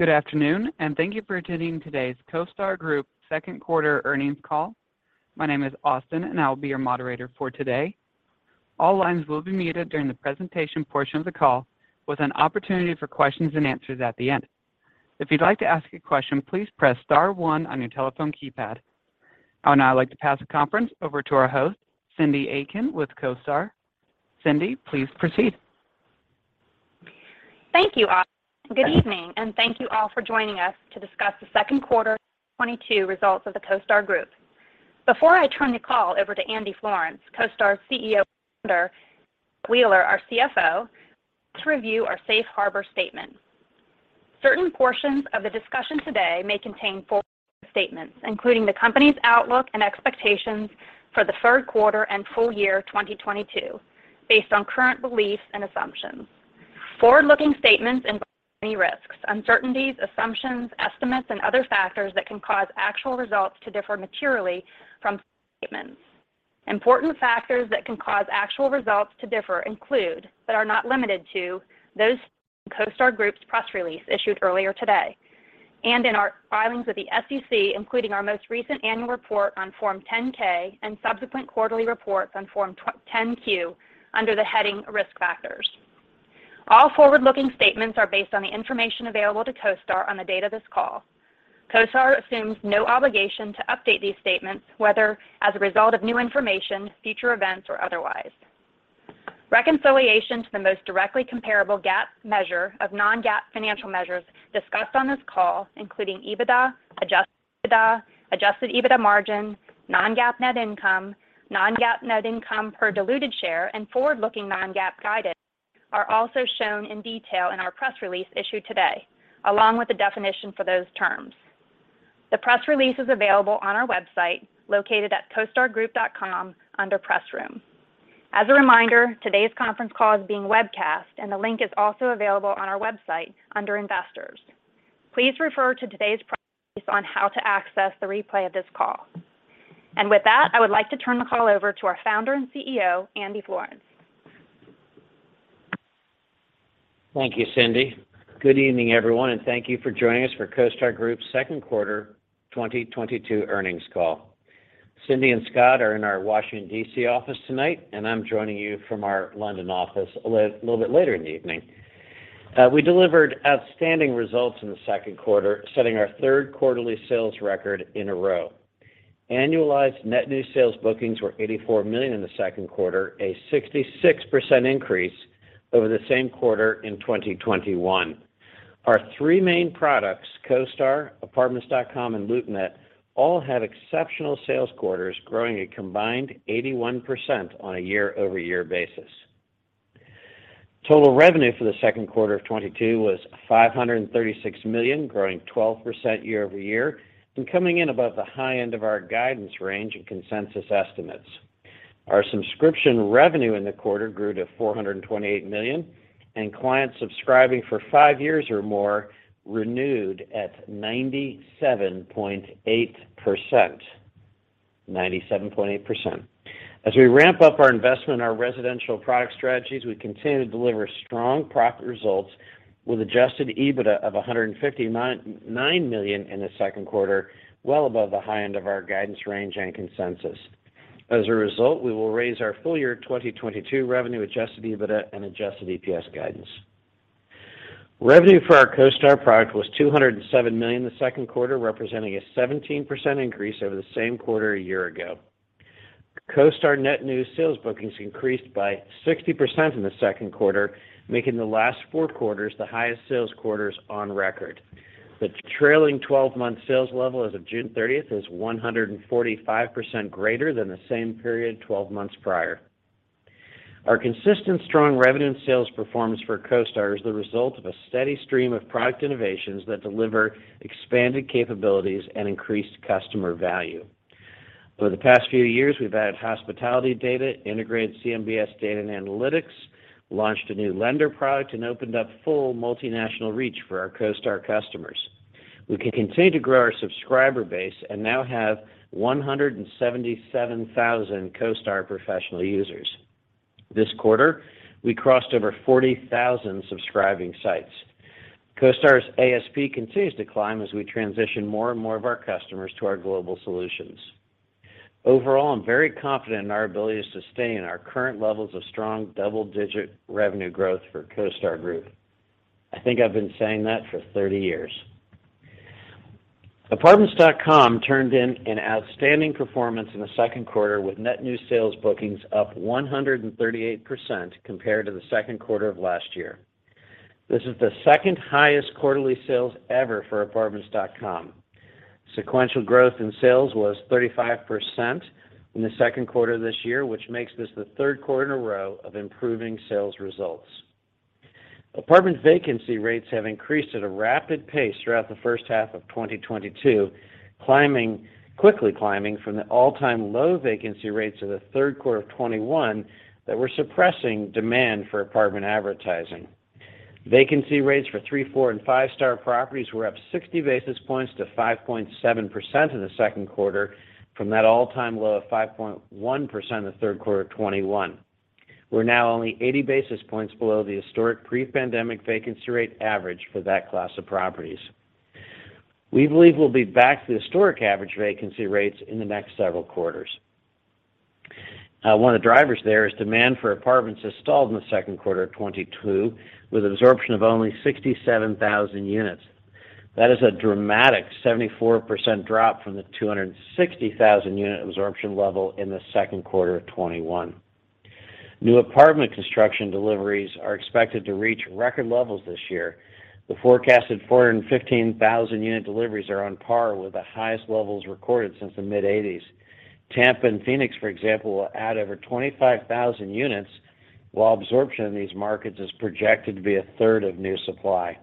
Good afternoon, and thank you for attending today's CoStar Group second quarter earnings call. My name is Austin, and I'll be your moderator for today. All lines will be muted during the presentation portion of the call, with an opportunity for questions and answers at the end. If you'd like to ask a question, please press star one on your telephone keypad. I would now like to pass the conference over to our host, Cyndi Eakin with CoStar. Cyndi, please proceed. Thank you, Austin. Good evening, and thank you all for joining us to discuss the second quarter 2022 results of the CoStar Group. Before I turn the call over to Andy Florance, CoStar's CEO and Founder, and Scott Wheeler, our CFO, to review our safe harbor statement. Certain portions of the discussion today may contain forward-looking statements, including the company's outlook and expectations for the third quarter and full year 2022, based on current beliefs and assumptions. Forward-looking statements involve many risks, uncertainties, assumptions, estimates, and other factors that can cause actual results to differ materially from statements. Important factors that can cause actual results to differ include, but are not limited to, those in CoStar Group's press release issued earlier today and in our filings with the SEC, including our most recent annual report on Form 10-K and subsequent quarterly reports on Form 10-Q under the heading Risk Factors. All forward-looking statements are based on the information available to CoStar on the date of this call. CoStar assumes no obligation to update these statements, whether as a result of new information, future events, or otherwise. Reconciliation to the most directly comparable GAAP measure of non-GAAP financial measures discussed on this call, including EBITDA, adjusted EBITDA, adjusted EBITDA margin, non-GAAP net income, non-GAAP net income per diluted share, and forward-looking non-GAAP guidance, are also shown in detail in our press release issued today, along with the definition for those terms. The press release is available on our website located at costargroup.com under Press Room. As a reminder, today's conference call is being webcast and the link is also available on our website under Investors. Please refer to today's press release on how to access the replay of this call. With that, I would like to turn the call over to our Founder and CEO, Andy Florance. Thank you, Cyndi. Good evening, everyone, and thank you for joining us for CoStar Group's second quarter 2022 earnings call. Cyndi and Scott are in our Washington, D.C. office tonight, and I'm joining you from our London office a little bit later in the evening. We delivered outstanding results in the second quarter, setting our third quarterly sales record in a row. Annualized net new sales bookings were $84 million in the second quarter, a 66% increase over the same quarter in 2021. Our three main products, CoStar, Apartments.com, and LoopNet, all had exceptional sales quarters, growing a combined 81% on a year-over-year basis. Total revenue for the second quarter of 2022 was $536 million, growing 12% year-over-year and coming in above the high end of our guidance range and consensus estimates. Our subscription revenue in the quarter grew to $428 million, and clients subscribing for five years or more renewed at 97.8%. As we ramp up our investment in our residential product strategies, we continue to deliver strong profit results with adjusted EBITDA of $159 million in the second quarter, well above the high end of our guidance range and consensus. As a result, we will raise our full year 2022 revenue, adjusted EBITDA, and adjusted EPS guidance. Revenue for our CoStar product was $207 million in the second quarter, representing a 17% increase over the same quarter a year ago. CoStar net new sales bookings increased by 60% in the second quarter, making the last four quarters the highest sales quarters on record. The trailing twelve-month sales level as of June 30th is 145% greater than the same period 12 months prior. Our consistent strong revenue and sales performance for CoStar is the result of a steady stream of product innovations that deliver expanded capabilities and increased customer value. Over the past few years, we've added hospitality data, integrated CMBS data and analytics, launched a new lender product, and opened up full multinational reach for our CoStar customers. We can continue to grow our subscriber base and now have 177,000 CoStar professional users. This quarter, we crossed over 40,000 subscribing sites. CoStar's ASP continues to climb as we transition more and more of our customers to our global solutions. Overall, I'm very confident in our ability to sustain our current levels of strong double-digit revenue growth for CoStar Group. I think I've been saying that for 30 years. Apartments.com turned in an outstanding performance in the second quarter with net new sales bookings up 138% compared to the second quarter of last year. This is the second highest quarterly sales ever for Apartments.com. Sequential growth in sales was 35% in the second quarter of this year, which makes this the third quarter in a row of improving sales results. Apartment vacancy rates have increased at a rapid pace throughout the first half of 2022, quickly climbing from the all-time low vacancy rates of the third quarter of 2021 that were suppressing demand for apartment advertising. Vacancy rates for three, four, and five-star properties were up 60 basis points to 5.7% in the second quarter of 2022 from that all-time low of 5.1% in the third quarter of 2021. We're now only 80 basis points below the historic pre-pandemic vacancy rate average for that class of properties. We believe we'll be back to the historic average vacancy rates in the next several quarters. One of the drivers there is demand for apartments has stalled in the second quarter of 2022, with absorption of only 67,000 units. That is a dramatic 74% drop from the 260,000 unit absorption level in the second quarter of 2021. New apartment construction deliveries are expected to reach record levels this year. The forecasted 415,000 unit deliveries are on par with the highest levels recorded since the mid-1980s. Tampa and Phoenix, for example, will add over 25,000 units, while absorption in these markets is projected to be a third of new supply.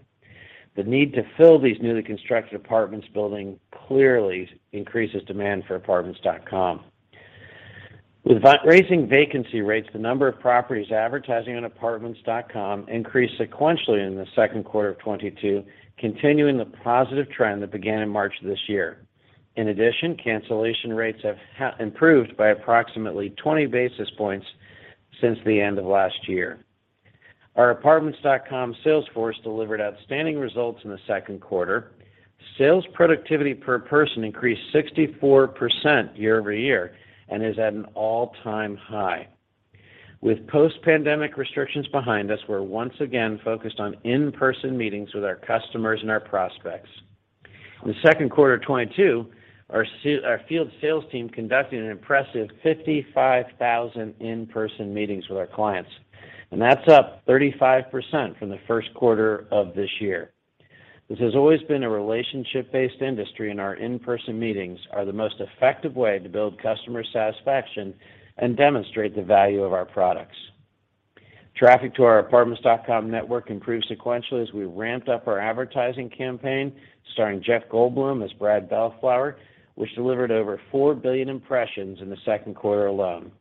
The need to fill these newly constructed apartment buildings clearly increases demand for Apartments.com. With rising vacancy rates, the number of properties advertising on Apartments.com increased sequentially in Q2 2022, continuing the positive trend that began in March of this year. In addition, cancellation rates have improved by approximately 20 basis points since the end of last year. Our Apartments.com sales force delivered outstanding results in the second quarter. Sales productivity per person increased 64% year-over-year and is at an all-time high. With post-pandemic restrictions behind us, we're once again focused on in-person meetings with our customers and our prospects. In the second quarter of 2022, our field sales team conducted an impressive 55,000 in-person meetings with our clients, and that's up 35% from the first quarter of this year. This has always been a relationship-based industry, and our in-person meetings are the most effective way to build customer satisfaction and demonstrate the value of our products. Traffic to our Apartments.com network improved sequentially as we ramped up our advertising campaign starring Jeff Goldblum as Brad Bellflower, which delivered over 4 billion impressions in the second quarter alone.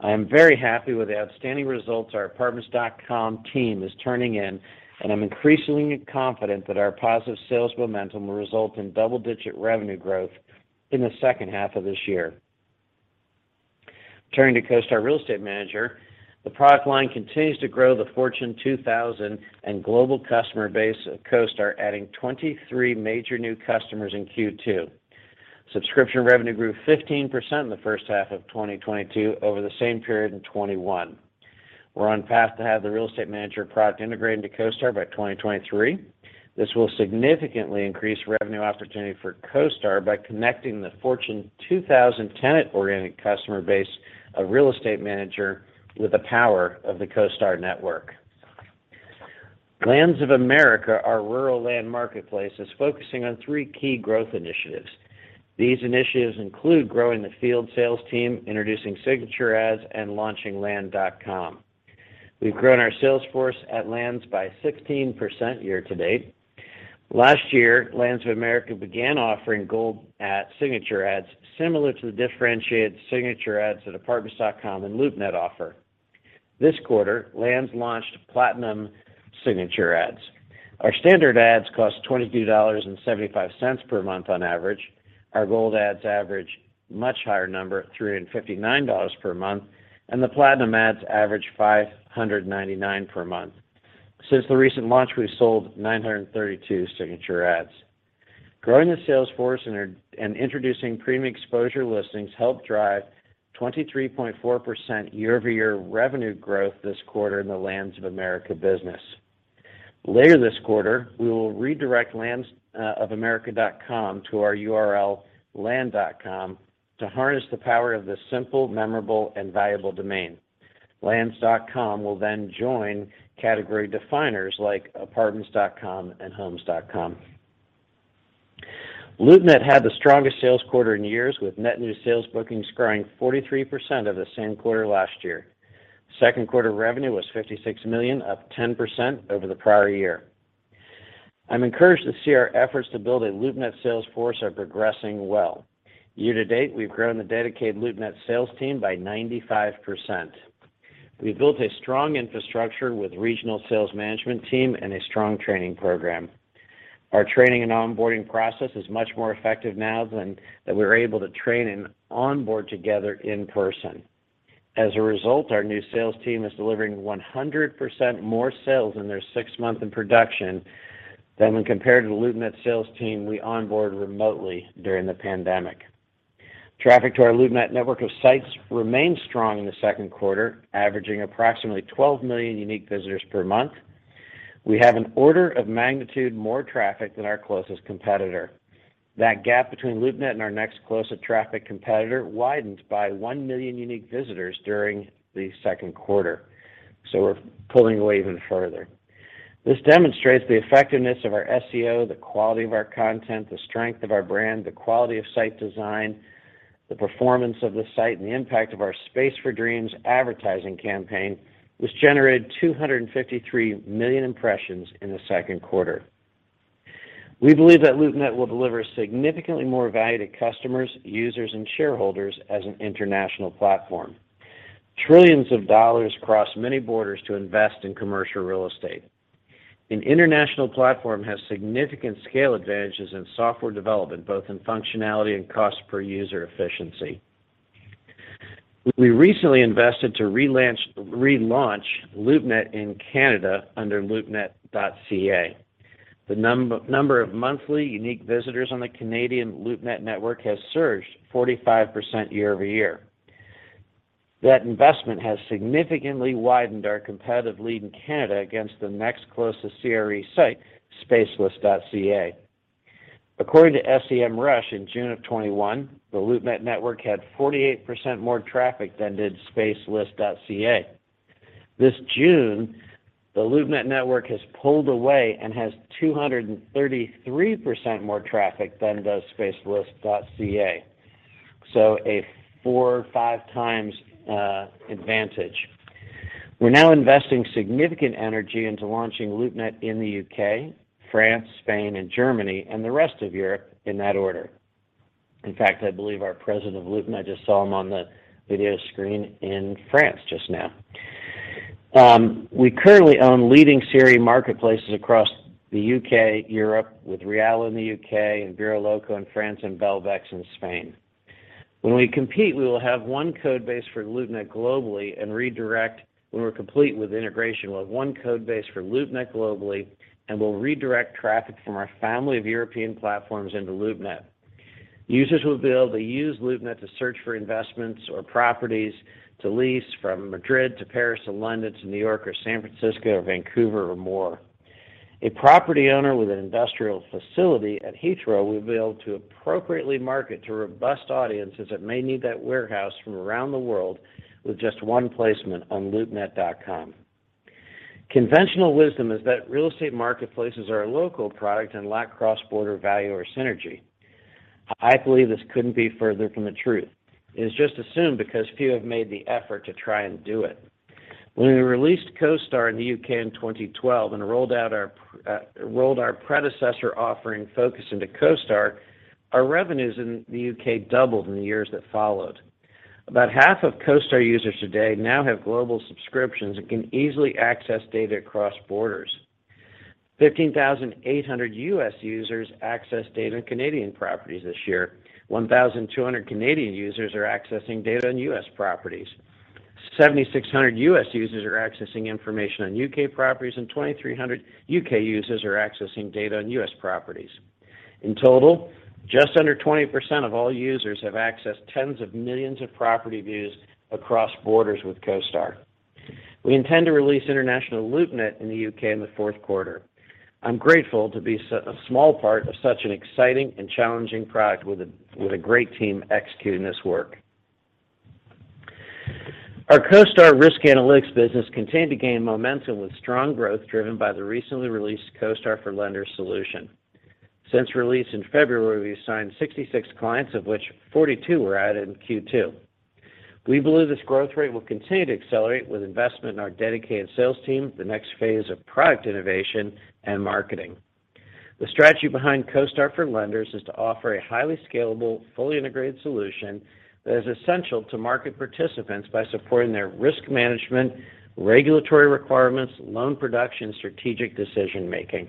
I am very happy with the outstanding results our Apartments.com team is turning in, and I'm increasingly confident that our positive sales momentum will result in double-digit revenue growth in the second half of this year. Turning to CoStar Real Estate Manager, the product line continues to grow the Forbes Global 2000 and global customer base of CoStar, adding 23 major new customers in Q2. Subscription revenue grew 15% in the first half of 2022 over the same period in 2021. We're on track to have the Real Estate Manager product integrated into CoStar by 2023. This will significantly increase revenue opportunity for CoStar by connecting the Forbes Global 2000 tenant-oriented customer base of Real Estate Manager with the power of the CoStar network. Lands of America, our rural land marketplace, is focusing on three key growth initiatives. These initiatives include growing the field sales team, introducing signature ads, and launching Land.com. We've grown our sales force at Lands by 16% year to date. Last year, Lands of America began offering gold signature ads similar to the differentiated signature ads that Apartments.com and LoopNet offer. This quarter, Lands launched platinum signature ads. Our standard ads cost $22.75 per month on average. Our gold ads average much higher number at $359 per month, and the platinum ads average $599 per month. Since the recent launch, we've sold 932 signature ads. Growing the sales force and introducing premium exposure listings helped drive 23.4% year-over-year revenue growth this quarter in the Lands of America business. Later this quarter, we will redirect landsofamerica.com to our URL, Land.com, to harness the power of this simple, memorable, and valuable domain. Land.com will then join category definers like Apartments.com and Homes.com. LoopNet had the strongest sales quarter in years, with net new sales bookings growing 43% of the same quarter last year. Second quarter revenue was $56 million, up 10% over the prior year. I'm encouraged to see our efforts to build a LoopNet sales force are progressing well. Year to date, we've grown the dedicated LoopNet sales team by 95%. We've built a strong infrastructure with regional sales management team and a strong training program. Our training and onboarding process is much more effective now that we're able to train and onboard together in person. As a result, our new sales team is delivering 100% more sales in their sixth month in production than when compared to the LoopNet sales team we onboard remotely during the pandemic. Traffic to our LoopNet network of sites remained strong in the second quarter, averaging approximately 12 million unique visitors per month. We have an order of magnitude more traffic than our closest competitor. That gap between LoopNet and our next closest traffic competitor widens by 1 million unique visitors during the second quarter. We're pulling away even further. This demonstrates the effectiveness of our SEO, the quality of our content, the strength of our brand, the quality of site design, the performance of the site, and the impact of our Space for Dreams advertising campaign, which generated 253 million impressions in the second quarter. We believe that LoopNet will deliver significantly more value to customers, users, and shareholders as an international platform. Trillions of dollars cross many borders to invest in commercial real estate. An international platform has significant scale advantages in software development, both in functionality and cost per user efficiency. We recently invested to relaunch LoopNet in Canada under LoopNet.ca. The number of monthly unique visitors on the Canadian LoopNet network has surged 45% year-over-year. That investment has significantly widened our competitive lead in Canada against the next closest CRE site, Spacelist.ca. According to SEMrush, in June of 2021, the LoopNet network had 48% more traffic than did Spacelist.ca. This June, the LoopNet network has pulled away and has 233% more traffic than does Spacelist.ca, so a 4x-5x. We're now investing significant energy into launching LoopNet in the U.K., France, Spain, and Germany, and the rest of Europe in that order. In fact, I believe our president of LoopNet, I just saw him on the video screen in France just now. We currently own leading CRE marketplaces across the U.K., Europe, with Realla in the U.K., and BureauxLocaux in France, and Belbex in Spain. When we're complete with integration, we'll have one code base for LoopNet globally, and we'll redirect traffic from our family of European platforms into LoopNet. Users will be able to use LoopNet to search for investments or properties to lease from Madrid to Paris to London to New York or San Francisco or Vancouver or more. A property owner with an industrial facility at Heathrow will be able to appropriately market to robust audiences that may need that warehouse from around the world with just one placement on LoopNet.com. Conventional wisdom is that real estate marketplaces are a local product and lack cross-border value or synergy. I believe this couldn't be further from the truth. It is just assumed because few have made the effort to try and do it. When we released CoStar in the U.K. in 2012 and rolled our predecessor offering Focus into CoStar, our revenues in the U.K. doubled in the years that followed. About half of CoStar users today now have global subscriptions and can easily access data across borders. 15,800 U.S. users accessed data on Canadian properties this year. 1,200 Canadian users are accessing data on U.S. properties. 7,600 U.S. users are accessing information on U.K. properties, and 2,300 U.K. users are accessing data on U.S. properties. In total, just under 20% of all users have accessed tens of millions of property views across borders with CoStar. We intend to release international LoopNet in the U.K. in the fourth quarter. I'm grateful to be a small part of such an exciting and challenging product with a great team executing this work. Our CoStar Risk Analytics business continued to gain momentum with strong growth driven by the recently released CoStar for Lenders solution. Since release in February, we've signed 66 clients, of which 42 were added in Q2. We believe this growth rate will continue to accelerate with investment in our dedicated sales team, the next phase of product innovation, and marketing. The strategy behind CoStar for Lenders is to offer a highly scalable, fully integrated solution that is essential to market participants by supporting their risk management, regulatory requirements, loan production, strategic decision-making.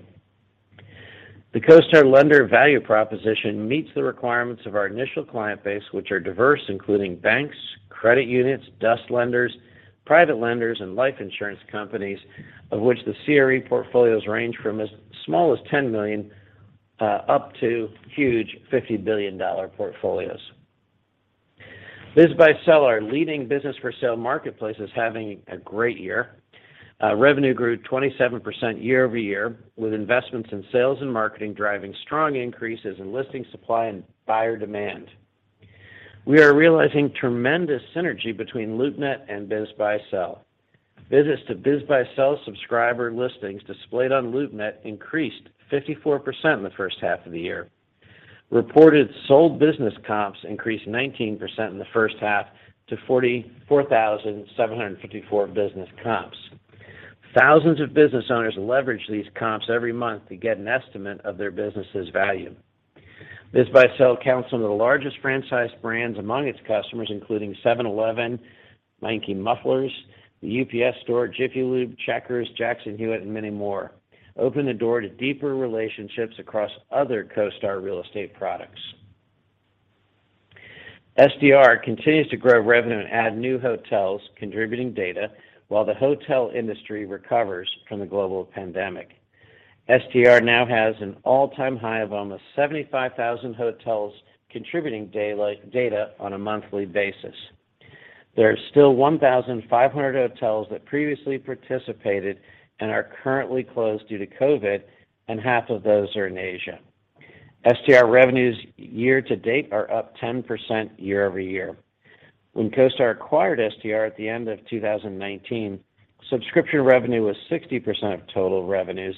The CoStar for Lenders value proposition meets the requirements of our initial client base, which are diverse, including banks, credit unions, DUS lenders, private lenders, and life insurance companies, of which the CRE portfolios range from as small as $10 million up to huge $50 billion portfolios. BizBuySell, our leading business for sale marketplace, is having a great year. Revenue grew 27% year-over-year, with investments in sales and marketing driving strong increases in listing supply and buyer demand. We are realizing tremendous synergy between LoopNet and BizBuySell. Visits to BizBuySell subscriber listings displayed on LoopNet increased 54% in the first half of the year. Reported sold business comps increased 19% in the first half to 44,754 business comps. Thousands of business owners leverage these comps every month to get an estimate of their business's value. BizBuySell counts some of the largest franchise brands among its customers, including 7-Eleven, Meineke Mufflers, The UPS Store, Jiffy Lube, Checkers, Jackson Hewitt, and many more, open the door to deeper relationships across other CoStar real estate products. STR continues to grow revenue and add new hotels contributing data while the hotel industry recovers from the global pandemic. STR now has an all-time high of almost 75,000 hotels contributing daily data on a monthly basis. There are still 1,500 hotels that previously participated and are currently closed due to COVID, and half of those are in Asia. STR revenues year-to-date are up 10% year-over-year. When CoStar acquired STR at the end of 2019, subscription revenue was 60% of total revenues.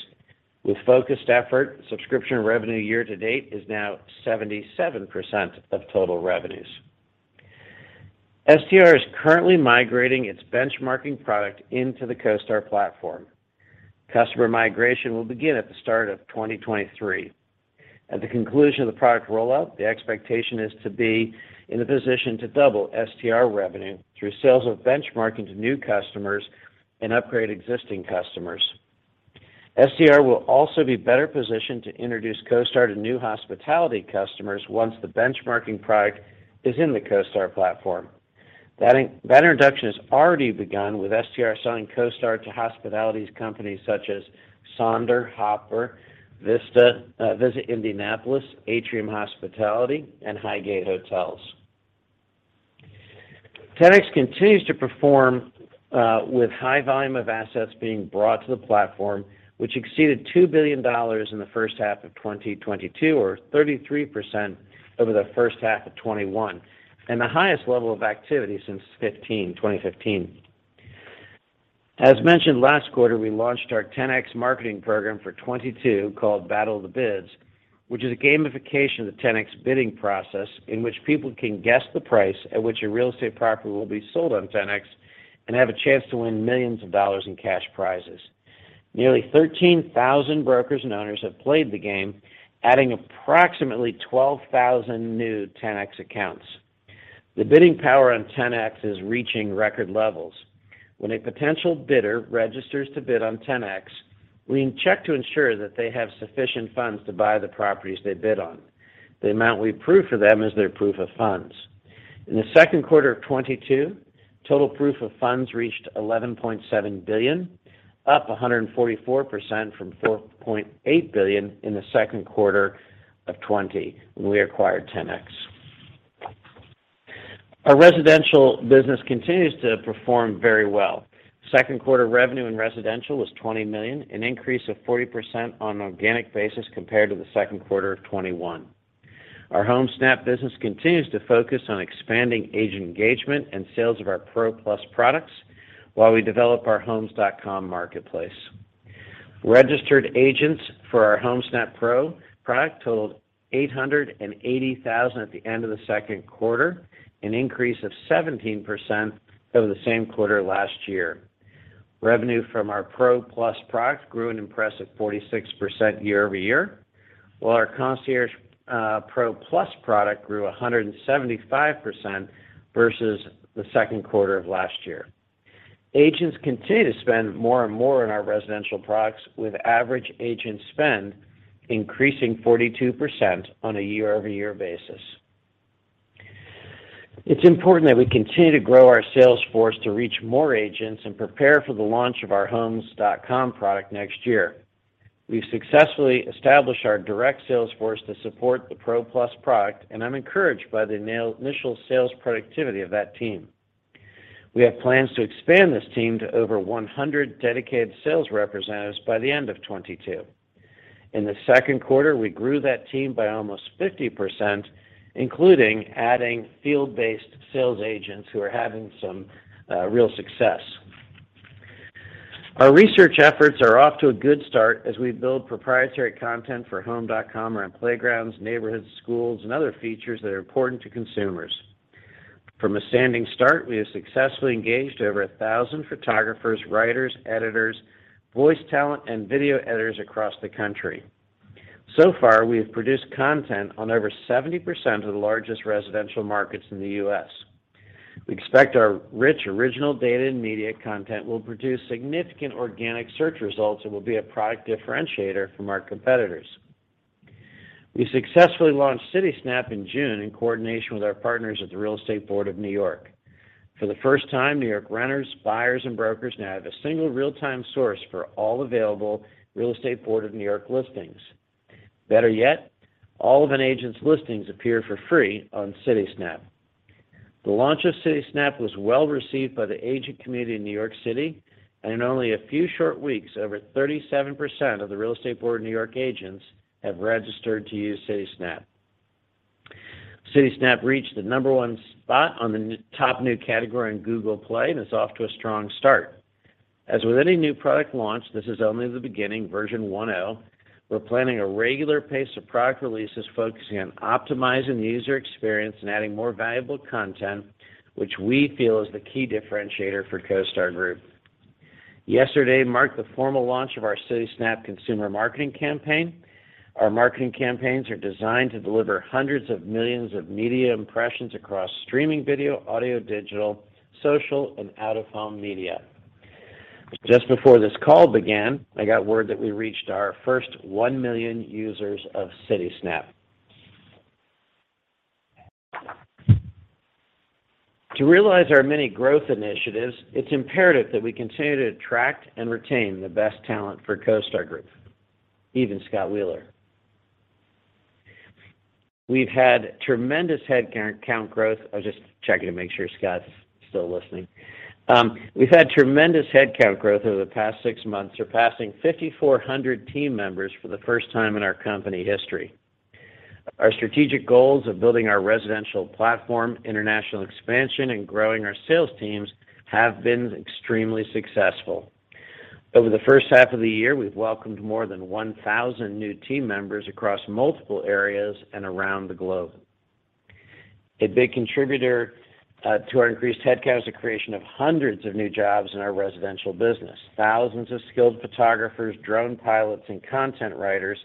With focused effort, subscription revenue year-to-date is now 77% of total revenues. STR is currently migrating its benchmarking product into the CoStar platform. Customer migration will begin at the start of 2023. At the conclusion of the product rollout, the expectation is to be in a position to double STR revenue through sales of benchmarking to new customers and upgrade existing customers. STR will also be better positioned to introduce CoStar to new hospitality customers once the benchmarking product is in the CoStar platform. That introduction has already begun with STR selling CoStar to hospitality companies such as Sonder, Hopper, Vesta, Visit Indianapolis, Atrium Hospitality, and Highgate Hotels. Ten-X continues to perform with high volume of assets being brought to the platform, which exceeded $2 billion in the first half of 2022 or 33% over the first half of 2021, and the highest level of activity since 2015. As mentioned last quarter, we launched our Ten-X marketing program for 2022 called Battle of the Bids, which is a gamification of the Ten-X bidding process in which people can guess the price at which a real estate property will be sold on Ten-X and have a chance to win millions of dollars in cash prizes. Nearly 13,000 brokers and owners have played the game, adding approximately 12,000 new Ten-X accounts. The bidding power on Ten-X is reaching record levels. When a potential bidder registers to bid on Ten-X, we check to ensure that they have sufficient funds to buy the properties they bid on. The amount we approve for them is their proof of funds. In the second quarter of 2022, total proof of funds reached $11.7 billion, up 144% from $4.8 billion in the second quarter of 2020 when we acquired Ten-X. Our residential business continues to perform very well. Second quarter revenue in residential was $20 million, an increase of 40% on an organic basis compared to the second quarter of 2021. Our Homesnap business continues to focus on expanding agent engagement and sales of our Pro+ products while we develop our Homes.com marketplace. Registered agents for our Homesnap Pro product totaled 880,000 at the end of the second quarter, an increase of 17% over the same quarter last year. Revenue from our Pro+ product grew an impressive 46% year over year, while our Concierge Pro+ product grew 175% versus the second quarter of last year. Agents continue to spend more and more on our residential products, with average agent spend increasing 42% on a year-over-year basis. It's important that we continue to grow our sales force to reach more agents and prepare for the launch of our Homes.com product next year. We've successfully established our direct sales force to support the Pro+ product, and I'm encouraged by the initial sales productivity of that team. We have plans to expand this team to over 100 dedicated sales representatives by the end of 2022. In the second quarter, we grew that team by almost 50%, including adding field-based sales agents who are having some real success. Our research efforts are off to a good start as we build proprietary content for Homes.com around playgrounds, neighborhoods, schools, and other features that are important to consumers. From a standing start, we have successfully engaged over 1,000 photographers, writers, editors, voice talent, and video editors across the country. So far, we have produced content on over 70% of the largest residential markets in the U.S. We expect our rich, original data and media content will produce significant organic search results and will be a product differentiator from our competitors. We successfully launched Citysnap in June in coordination with our partners at the Real Estate Board of New York. For the first time, New York renters, buyers, and brokers now have a single real-time source for all available Real Estate Board of New York listings. Better yet, all of an agent's listings appear for free on Citysnap. The launch of Citysnap was well-received by the agent community in New York City, and in only a few short weeks, over 37% of the Real Estate Board of New York agents have registered to use Citysnap. Citysnap reached the number one spot on the top new category on Google Play and is off to a strong start. As with any new product launch, this is only the beginning, version 1.0. We're planning a regular pace of product releases focusing on optimizing the user experience and adding more valuable content, which we feel is the key differentiator for CoStar Group. Yesterday marked the formal launch of our Citysnap consumer marketing campaign. Our marketing campaigns are designed to deliver hundreds of millions of media impressions across streaming video, audio, digital, social, and out-of-home media. Just before this call began, I got word that we reached our first 1 million users of Citysnap. To realize our many growth initiatives, it's imperative that we continue to attract and retain the best talent for CoStar Group, even Scott Wheeler. We've had tremendous headcount growth. I was just checking to make sure Scott's still listening. We've had tremendous headcount growth over the past six months, surpassing 5,400 team members for the first time in our company history. Our strategic goals of building our residential platform, international expansion, and growing our sales teams have been extremely successful. Over the first half of the year, we've welcomed more than 1,000 new team members across multiple areas and around the globe. A big contributor to our increased headcount is the creation of hundreds of new jobs in our residential business. Thousands of skilled photographers, drone pilots, and content writers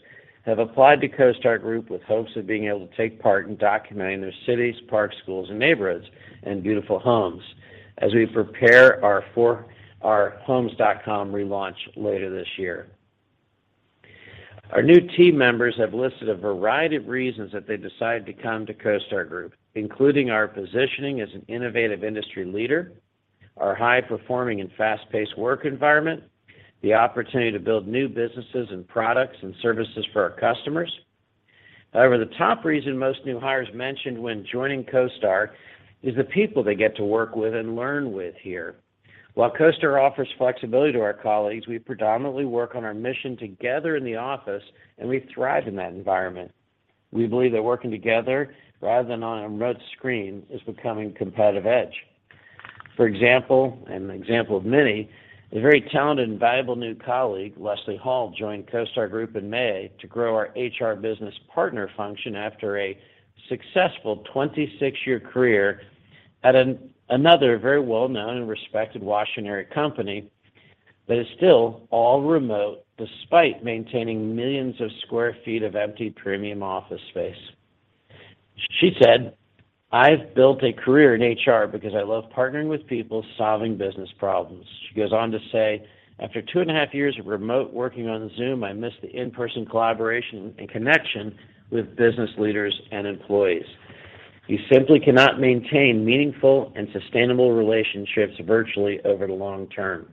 have applied to CoStar Group with hopes of being able to take part in documenting their cities, parks, schools, and neighborhoods, and beautiful homes as we prepare our Homes.com relaunch later this year. Our new team members have listed a variety of reasons that they decided to come to CoStar Group, including our positioning as an innovative industry leader, our high-performing and fast-paced work environment, the opportunity to build new businesses and products and services for our customers. However, the top reason most new hires mentioned when joining CoStar is the people they get to work with and learn with here. While CoStar offers flexibility to our colleagues, we predominantly work on our mission together in the office, and we thrive in that environment. We believe that working together rather than on a remote screen is becoming competitive edge. For example, an example of many, a very talented and valuable new colleague, Leslie Hall, joined CoStar Group in May to grow our HR business partner function after a successful 26-year career at another very well-known and respected Washington-area company that is still all remote despite maintaining millions of square feet of empty premium office space. She said, "I've built a career in HR because I love partnering with people, solving business problems." She goes on to say, "After 2.5 years of remote working on Zoom, I miss the in-person collaboration and connection with business leaders and employees. You simply cannot maintain meaningful and sustainable relationships virtually over the long term."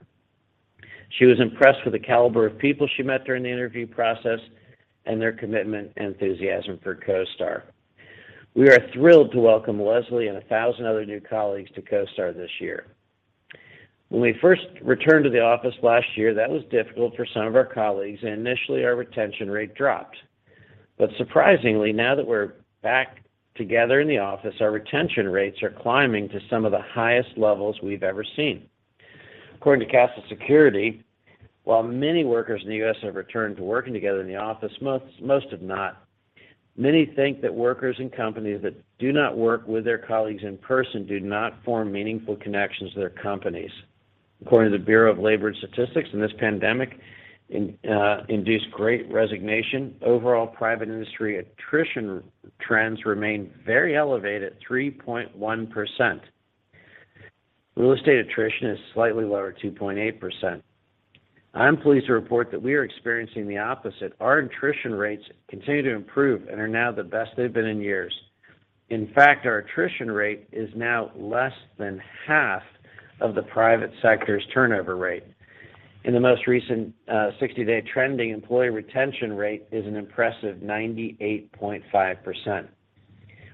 She was impressed with the caliber of people she met during the interview process and their commitment and enthusiasm for CoStar. We are thrilled to welcome Leslie and 1,000 other new colleagues to CoStar this year. When we first returned to the office last year, that was difficult for some of our colleagues, and initially, our retention rate dropped. Surprisingly, now that we're back together in the office, our retention rates are climbing to some of the highest levels we've ever seen. According to Kastle Systems, while many workers in the U.S. have returned to working together in the office, most have not. Many think that workers and companies that do not work with their colleagues in person do not form meaningful connections to their companies. According to the Bureau of Labor Statistics, in this pandemic induced great resignation, overall private industry attrition trends remain very elevated at 3.1%. Real estate attrition is slightly lower at 2.8%. I'm pleased to report that we are experiencing the opposite. Our attrition rates continue to improve and are now the best they've been in years. In fact, our attrition rate is now less than half of the private sector's turnover rate. In the most recent 60-day trending, employee retention rate is an impressive 98.5%.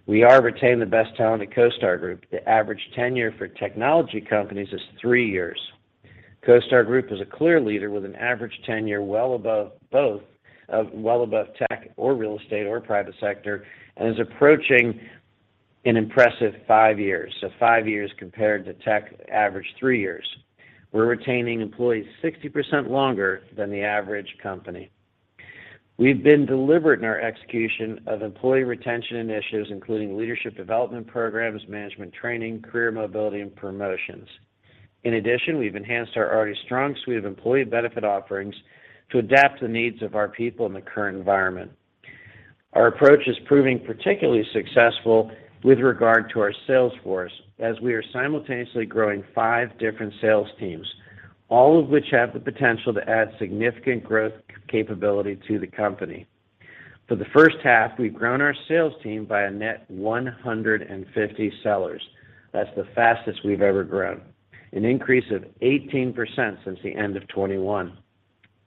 We are retaining the best talent at CoStar Group. The average tenure for technology companies is three years. CoStar Group is a clear leader with an average tenure well above tech or real estate or private sector and is approaching an impressive five years. Five years compared to tech average three years. We're retaining employees 60% longer than the average company. We've been deliberate in our execution of employee retention initiatives, including leadership development programs, management training, career mobility, and promotions. In addition, we've enhanced our already strong suite of employee benefit offerings to adapt to the needs of our people in the current environment. Our approach is proving particularly successful with regard to our sales force, as we are simultaneously growing five different sales teams, all of which have the potential to add significant growth capability to the company. For the first half, we've grown our sales team by a net 150 sellers. That's the fastest we've ever grown, an increase of 18% since the end of 2021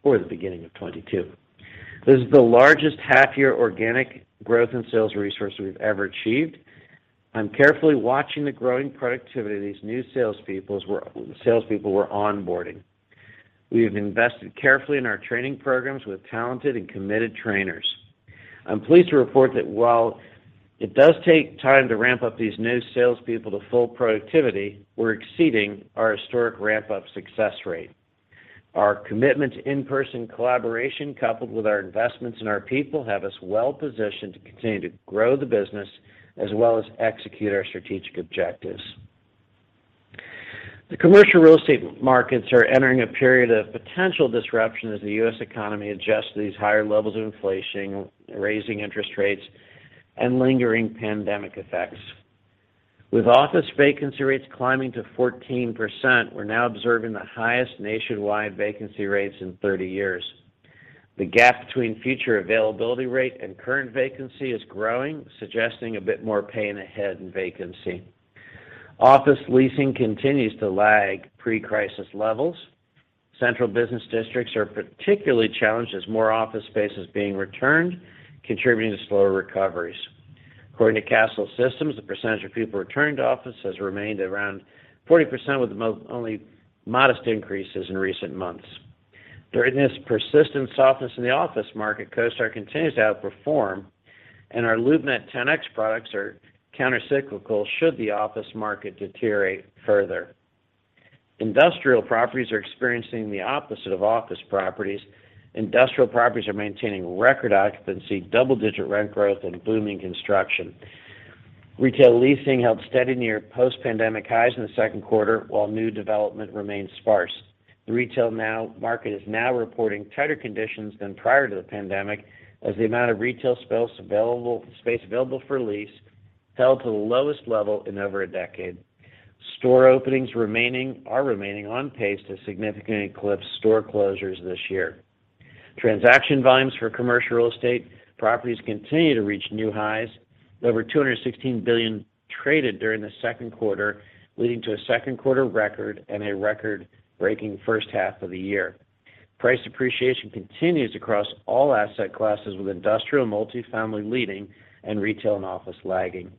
or the beginning of 2022. This is the largest half-year organic growth in sales resources we've ever achieved. I'm carefully watching the growing productivity of these new salespeople we're onboarding. We have invested carefully in our training programs with talented and committed trainers. I'm pleased to report that while it does take time to ramp up these new salespeople to full productivity, we're exceeding our historic ramp-up success rate. Our commitment to in-person collaboration, coupled with our investments in our people, have us well-positioned to continue to grow the business as well as execute our strategic objectives. The commercial real estate markets are entering a period of potential disruption as the U.S. economy adjusts to these higher levels of inflation, raising interest rates, and lingering pandemic effects. With office vacancy rates climbing to 14%, we're now observing the highest nationwide vacancy rates in 30 years. The gap between future availability rate and current vacancy is growing, suggesting a bit more pain ahead in vacancy. Office leasing continues to lag pre-crisis levels. Central business districts are particularly challenged as more office space is being returned, contributing to slower recoveries. According to Kastle Systems, the percentage of people returning to office has remained around 40%, with only modest increases in recent months. During this persistent softness in the office market, CoStar continues to outperform, and our LoopNet Ten-X products are countercyclical should the office market deteriorate further. Industrial properties are experiencing the opposite of office properties. Industrial properties are maintaining record occupancy, double-digit rent growth, and booming construction. Retail leasing held steady near post-pandemic highs in the second quarter, while new development remains sparse. The retail market is reporting tighter conditions than prior to the pandemic, as the amount of retail space available for lease fell to the lowest level in over a decade. Store openings are remaining on pace to significantly eclipse store closures this year. Transaction volumes for commercial real estate properties continue to reach new highs. Over $216 billion traded during the second quarter, leading to a second quarter record and a record-breaking first half of the year. Price appreciation continues across all asset classes, with industrial multifamily leading and retail and office lagging.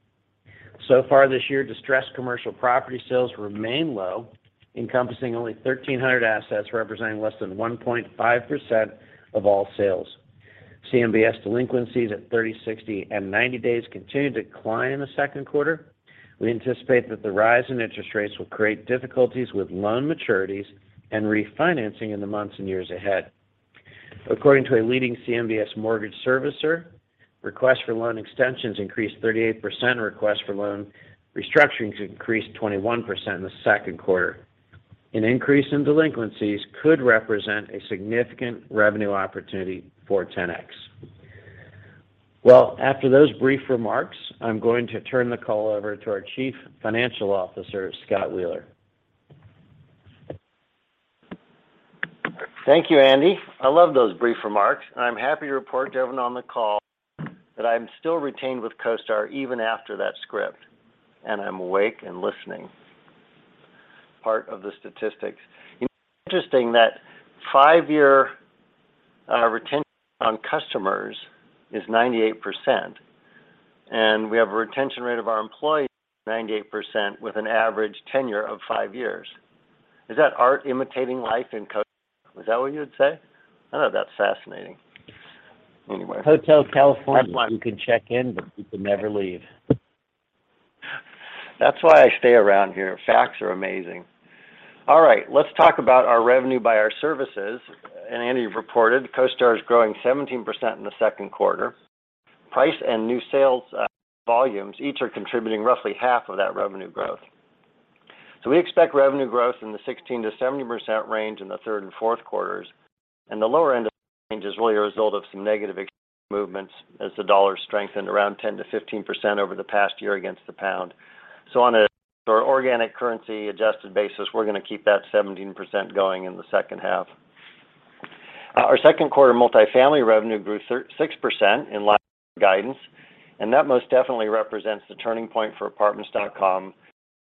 So far this year, distressed commercial property sales remain low, encompassing only 1,300 assets, representing less than 1.5% of all sales. CMBS delinquencies at 30, 60, and 90 days continue to decline in the second quarter. We anticipate that the rise in interest rates will create difficulties with loan maturities and refinancing in the months and years ahead. According to a leading CMBS mortgage servicer, requests for loan extensions increased 38%, requests for loan restructurings increased 21% in the second quarter. An increase in delinquencies could represent a significant revenue opportunity for Ten-X. Well, after those brief remarks, I'm going to turn the call over to our Chief Financial Officer, Scott Wheeler. Thank you, Andy. I love those brief remarks, and I'm happy to report to everyone on the call that I'm still retained with CoStar even after that script, and I'm awake and listening. Part of the statistics. Interesting that five-year retention on customers is 98%, and we have a retention rate of our employees 98% with an average tenure of five years. Is that art imitating life in CoStar? Is that what you'd say? I thought that's fascinating. Anyway. Hotel California, you can check in, but you can never leave. That's why I stay around here. Facts are amazing. All right. Let's talk about our revenue by our services. Andy, you've reported CoStar is growing 17% in the second quarter. Price and new sales volumes each are contributing roughly half of that revenue growth. We expect revenue growth in the 16%-17% range in the third and fourth quarters. The lower end of range is really a result of some negative exchange movements as the dollar strengthened around 10%-15% over the past year against the pound. On a organic currency adjusted basis, we're going to keep that 17% going in the second half. Our second quarter multifamily revenue grew 6% in line with guidance, and that most definitely represents the turning point for Apartments.com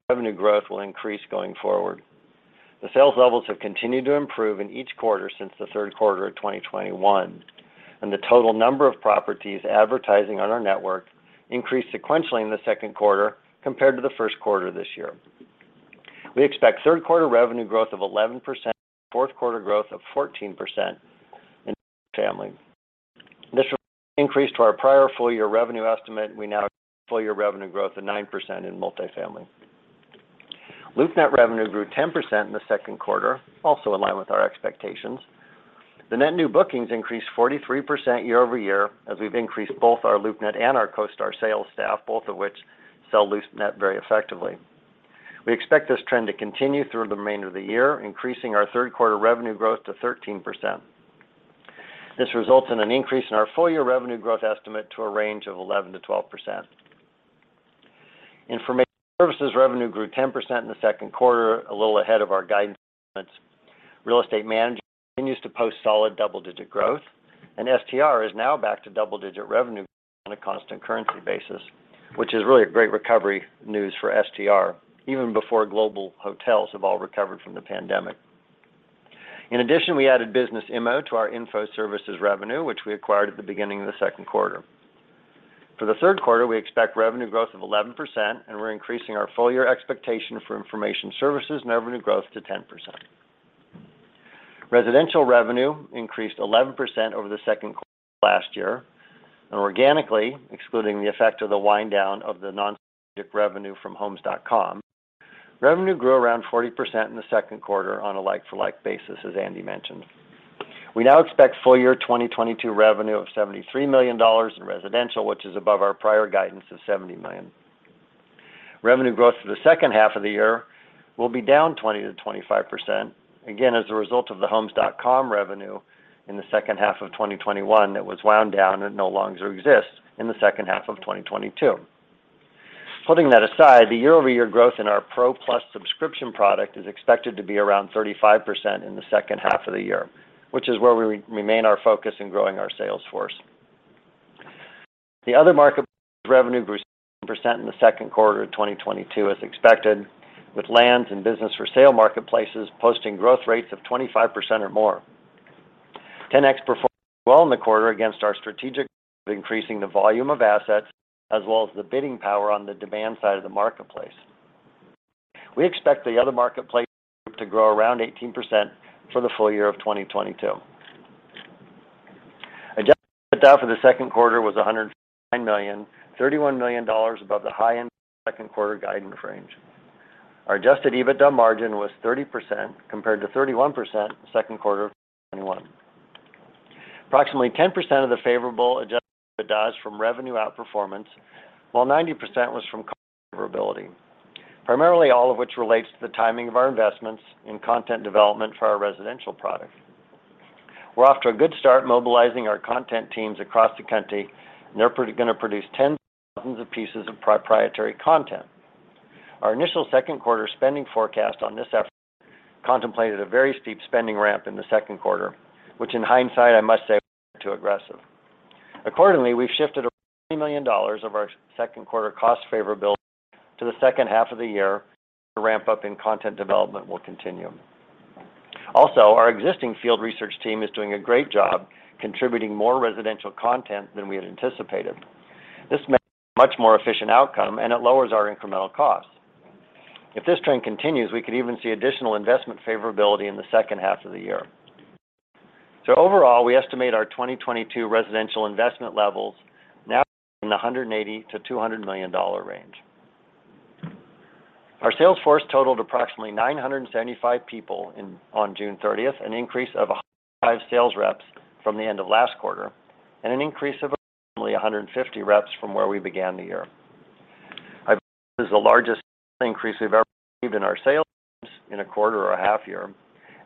revenue growth will increase going forward. The sales levels have continued to improve in each quarter since the third quarter of 2021, and the total number of properties advertising on our network increased sequentially in the second quarter compared to the first quarter this year. We expect third quarter revenue growth of 11%, fourth quarter growth of 14% in multifamily. This will increase to our prior full-year revenue estimate. We now full-year revenue growth of 9% in multifamily. LoopNet revenue grew 10% in the second quarter, also in line with our expectations. The net new bookings increased 43% year-over-year as we've increased both our LoopNet and our CoStar sales staff, both of which sell LoopNet very effectively. We expect this trend to continue through the remainder of the year, increasing our third quarter revenue growth to 13%. This results in an increase in our full-year revenue growth estimate to a range of 11%-12%. Information services revenue grew 10% in the second quarter, a little ahead of our guidance statements. Real estate management continues to post solid double-digit growth, and STR is now back to double-digit revenue growth on a constant currency basis, which is really a great recovery news for STR even before global hotels have all recovered from the pandemic. In addition, we added Business Immo to our info services revenue, which we acquired at the beginning of the second quarter. For the third quarter, we expect revenue growth of 11%, and we're increasing our full-year expectation for information services and revenue growth to 10%. Residential revenue increased 11% over the second quarter last year, and organically, excluding the effect of the wind down of the non-strategic revenue from Homes.com, revenue grew around 40% in the second quarter on a like-for-like basis, as Andy mentioned. We now expect full-year 2022 revenue of $73 million in residential, which is above our prior guidance of $70 million. Revenue growth for the second half of the year will be down 20%-25%, again, as a result of the Homes.com revenue in the second half of 2021 that was wound down and no longer exists in the second half of 2022. Putting that aside, the year-over-year growth in our Pro+ subscription product is expected to be around 35% in the second half of the year, which is where we remain our focus in growing our sales force. The other marketplace revenue grew 6% in the second quarter of 2022 as expected, with Land.com and BizBuySell marketplaces posting growth rates of 25% or more. Ten-X performed well in the quarter, executing our strategy of increasing the volume of assets as well as the bidding power on the demand side of the marketplace. We expect the other marketplace group to grow around 18% for the full year of 2022. Adjusted EBITDA for the second quarter was $109 million, $31 million above the high end of the second quarter guidance range. Our adjusted EBITDA margin was 30% compared to 31% second quarter of 2021. Approximately 10% of the favorable adjusted EBITDA was from revenue outperformance, while 90% was from cost favorability. Primarily, all of which relates to the timing of our investments in content development for our residential product. We're off to a good start mobilizing our content teams across the country, and they're going to produce tens of thousands of pieces of proprietary content. Our initial second quarter spending forecast on this effort contemplated a very steep spending ramp in the second quarter, which in hindsight, I must say was a bit too aggressive. Accordingly, we've shifted approximately $20 million of our second quarter cost favorability to the second half of the year as the ramp-up in content development will continue. Also, our existing field research team is doing a great job contributing more residential content than we had anticipated. This makes a much more efficient outcome, and it lowers our incremental costs. If this trend continues, we could even see additional investment favorability in the second half of the year. Overall, we estimate our 2022 residential investment levels now in the $180 million-$200 million range. Our sales force totaled approximately 975 people on June 30th, an increase of 105 sales reps from the end of last quarter, and an increase of approximately 150 reps from where we began the year. I believe this is the largest sales increase we've ever achieved in our sales teams in a quarter or a half year,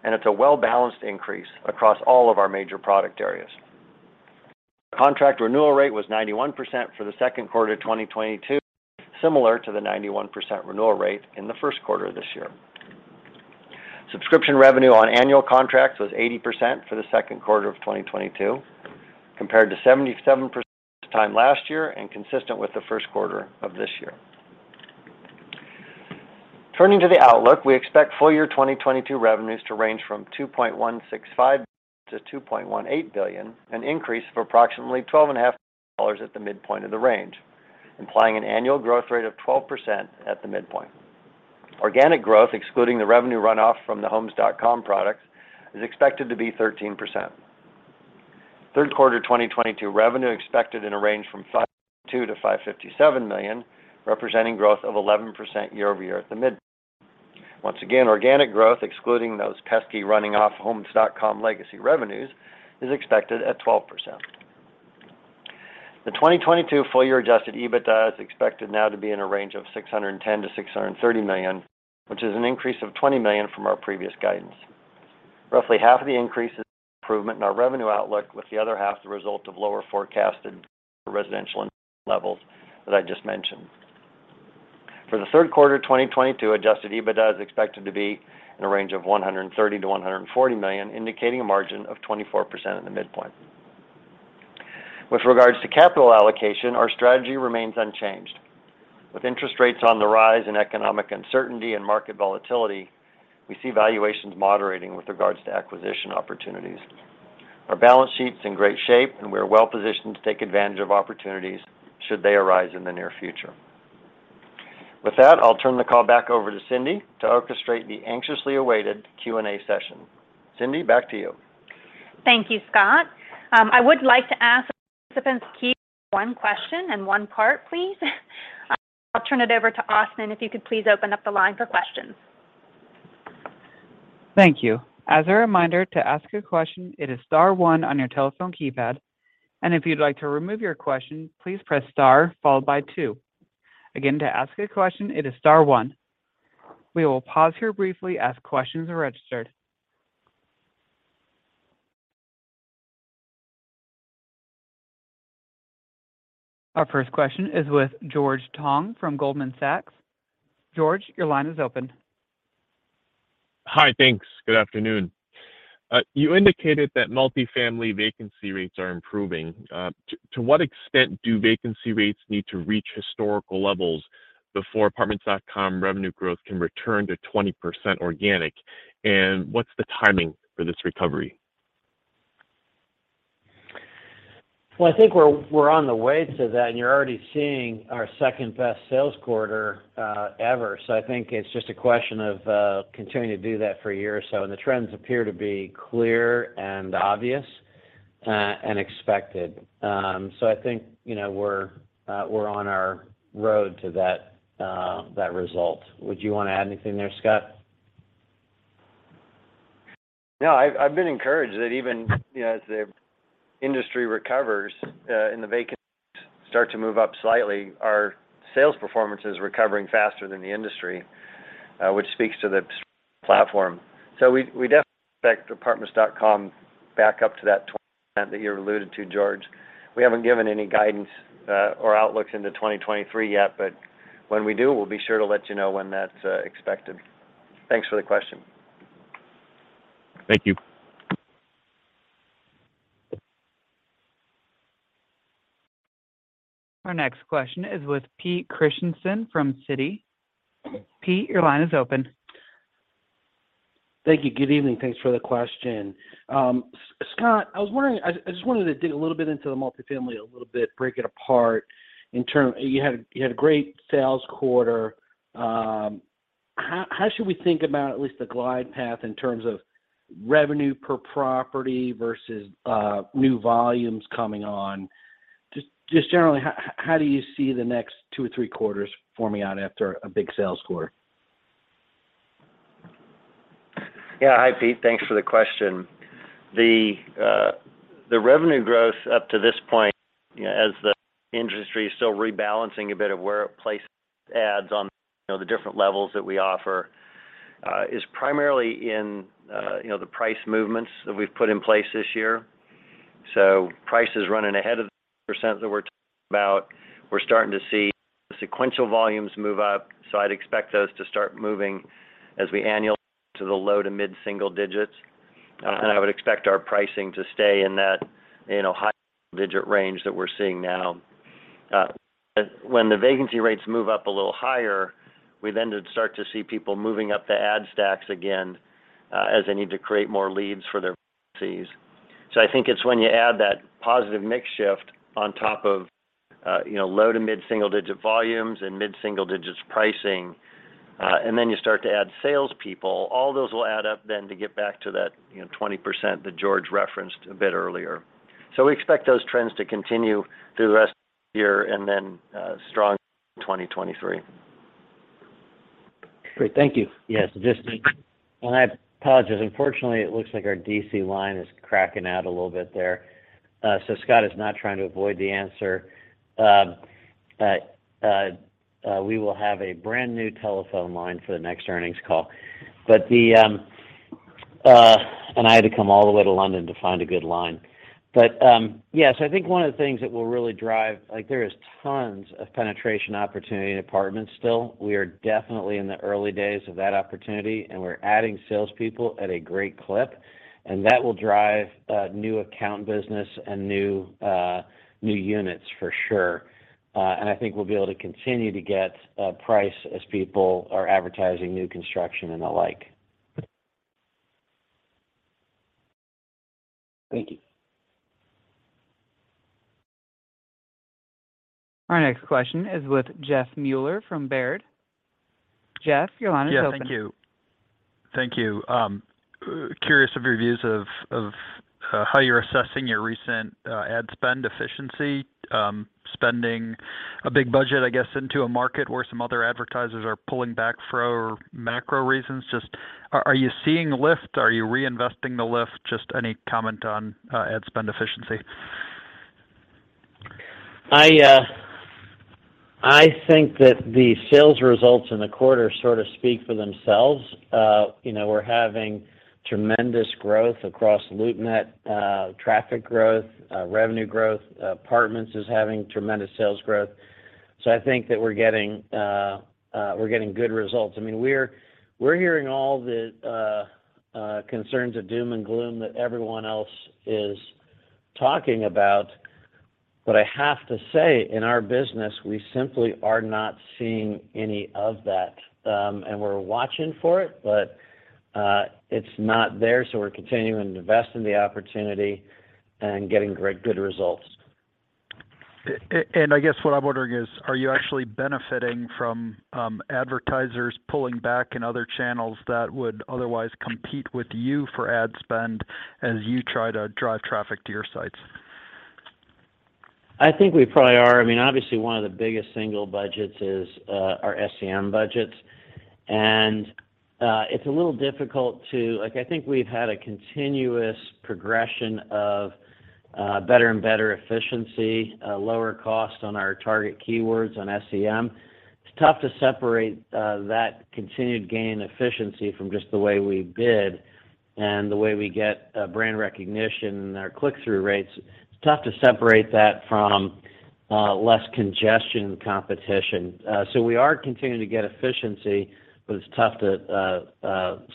and it's a well-balanced increase across all of our major product areas. Our contract renewal rate was 91% for the second quarter of 2022, similar to the 91% renewal rate in the first quarter of this year. Subscription revenue on annual contracts was 80% for the second quarter of 2022, compared to 77% this time last year and consistent with the first quarter of this year. Turning to the outlook, we expect full-year 2022 revenues to range from $2.165 billion-$2.18 billion, an increase of approximately $12.5 million at the midpoint of the range, implying an annual growth rate of 12% at the midpoint. Organic growth, excluding the revenue runoff from the Homes.com products, is expected to be 13%. Third-quarter 2022 revenue expected in a range from $552 million-$557 million, representing growth of 11% year-over-year at the midpoint. Once again, organic growth, excluding those pesky run-off Homes.com legacy revenues, is expected at 12%. The 2022 full year adjusted EBITDA is expected now to be in a range of $610 million-$630 million, which is an increase of $20 million from our previous guidance. Roughly half of the increase is the improvement in our revenue outlook, with the other half the result of lower forecasted residential investment levels that I just mentioned. For the third quarter of 2022, adjusted EBITDA is expected to be in a range of $130 million-$140 million, indicating a margin of 24% at the midpoint. With regards to capital allocation, our strategy remains unchanged. With interest rates on the rise and economic uncertainty and market volatility, we see valuations moderating with regards to acquisition opportunities. Our balance sheet's in great shape, and we are well-positioned to take advantage of opportunities should they arise in the near future. With that, I'll turn the call back over to Cyndi to orchestrate the anxiously awaited Q&A session. Cyndi, back to you. Thank you, Scott. I would like to ask participants to keep to one question and one part, please. I'll turn it over to Austin, if you could please open up the line for questions. Thank you. As a reminder, to ask a question, it is star one on your telephone keypad. If you'd like to remove your question, please press star followed by two. Again, to ask a question, it is star one. We will pause here briefly as questions are registered. Our first question is with George Tong from Goldman Sachs. George, your line is open. Hi. Thanks. Good afternoon. You indicated that multifamily vacancy rates are improving. To what extent do vacancy rates need to reach historical levels before Apartments.com revenue growth can return to 20% organic? What's the timing for this recovery? Well, I think we're on the way to that, and you're already seeing our second-best sales quarter ever. I think it's just a question of continuing to do that for a year or so. The trends appear to be clear and obvious and expected. I think, you know, we're on our road to that result. Would you wanna add anything there, Scott? No. I've been encouraged that even, you know, as the industry recovers, and the vacancies start to move up slightly, our sales performance is recovering faster than the industry, which speaks to the strength of the platform. We definitely expect Apartments.com back up to that 20% that you alluded to, George. We haven't given any guidance or outlook into 2023 yet. When we do, we'll be sure to let you know when that's expected. Thanks for the question. Thank you. Our next question is with Pete Christiansen from Citi. Pete, your line is open. Thank you. Good evening. Thanks for the question. Scott, I was wondering, I just wanted to dig a little bit into the multifamily a little bit, break it apart. You had a great sales quarter. How should we think about at least the glide path in terms of revenue per property versus new volumes coming on? Just generally, how do you see the next two or three quarters forming out after a big sales quarter? Yeah. Hi, Pete. Thanks for the question. The revenue growth up to this point, you know, as the industry is still rebalancing a bit on where it places ads on, you know, the different levels that we offer, is primarily in, you know, the price movements that we've put in place this year. Price is running ahead of the percent that we're talking about. We're starting to see sequential volumes move up, so I'd expect those to start moving as we annualize to the low- to mid-single digits. I would expect our pricing to stay in that, you know, high single-digit range that we're seeing now. When the vacancy rates move up a little higher, we then start to see people moving up the ad stacks again, as they need to create more leads for their agencies. I think it's when you add that positive mix shift on top of low to mid-single digit volumes and mid-single digits pricing, and then you start to add sales people, all those will add up then to get back to that 20% that George referenced a bit earlier. We expect those trends to continue through the rest of the year and then strong in 2023. Great. Thank you. Yes. I apologize. Unfortunately, it looks like our D.C. line is cracking out a little bit there. Scott is not trying to avoid the answer. We will have a brand new telephone line for the next earnings call. I had to come all the way to London to find a good line. Yes, I think one of the things that will really drive, like there is tons of penetration opportunity in apartments still. We are definitely in the early days of that opportunity, and we're adding salespeople at a great clip, and that will drive new account business and new units for sure. I think we'll be able to continue to get price as people are advertising new construction and the like. Thank you. Our next question is with Jeff Meuler from Baird. Jeff, your line is open. Yeah, thank you. Curious of your views of how you're assessing your recent ad spend efficiency, spending a big budget, I guess, into a market where some other advertisers are pulling back for macro reasons. Just, are you seeing lift? Are you reinvesting the lift? Just any comment on ad spend efficiency? I think that the sales results in the quarter sort of speak for themselves. You know, we're having tremendous growth across LoopNet, traffic growth, revenue growth. Apartments is having tremendous sales growth. I think that we're getting good results. I mean, we're hearing all the concerns of doom and gloom that everyone else is talking about. I have to say, in our business, we simply are not seeing any of that. We're watching for it, but it's not there, so we're continuing to invest in the opportunity and getting great, good results. I guess what I'm wondering is, are you actually benefiting from advertisers pulling back in other channels that would otherwise compete with you for ad spend as you try to drive traffic to your sites? I think we probably are. I mean, obviously one of the biggest single budgets is, our SEM budgets. It's a little difficult. Like, I think we've had a continuous progression of, better and better efficiency, lower cost on our target keywords on SEM. It's tough to separate, that continued gain efficiency from just the way we bid and the way we get, brand recognition and our click-through rates. It's tough to separate that from, less congestion competition. We are continuing to get efficiency, but it's tough to,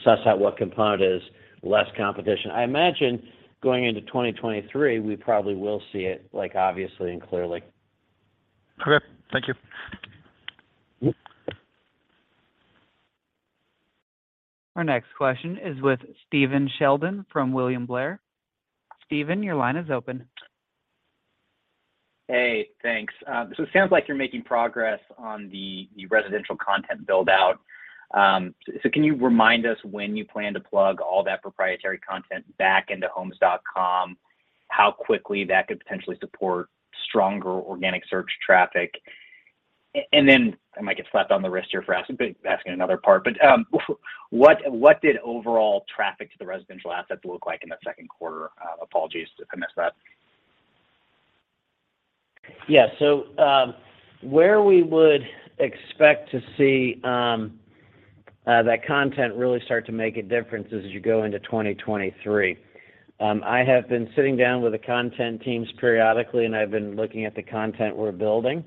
suss out what component is less competition. I imagine going into 2023, we probably will see it, like, obviously and clearly. Okay. Thank you. Yep. Our next question is with Stephen Sheldon from William Blair. Stephen, your line is open. Hey, thanks. It sounds like you're making progress on the residential content build-out. Can you remind us when you plan to plug all that proprietary content back into Homes.com, how quickly that could potentially support stronger organic search traffic? I might get slapped on the wrist here for asking another part. What did overall traffic to the residential assets look like in the second quarter? Apologies if I missed that. Yeah. Where we would expect to see that content really start to make a difference is as you go into 2023. I have been sitting down with the content teams periodically, and I've been looking at the content we're building.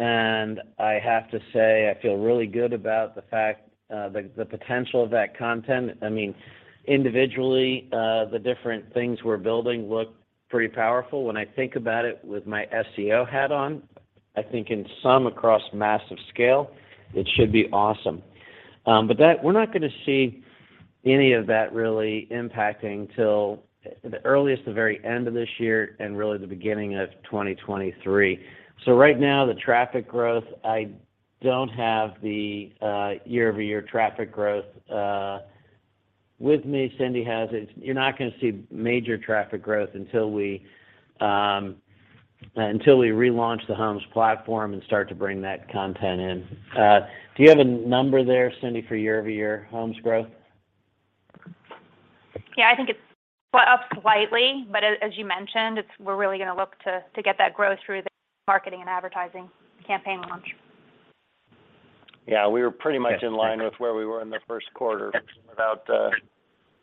I have to say I feel really good about the fact, the potential of that content. I mean, individually, the different things we're building look pretty powerful. When I think about it with my SEO hat on, I think in sum across massive scale, it should be awesome. We're not gonna see any of that really impacting till the very end of this year and really the beginning of 2023. Right now, the traffic growth, I don't have the year-over-year traffic growth with me. Cyndi has it. You're not gonna see major traffic growth until we relaunch the homes platform and start to bring that content in. Do you have a number there, Cyndi, for year-over-year homes growth? Yeah, I think it's up slightly, but as you mentioned, we're really gonna look to get that growth through the marketing and advertising campaign launch. Yeah. We were pretty much in line with where we were in the first quarter without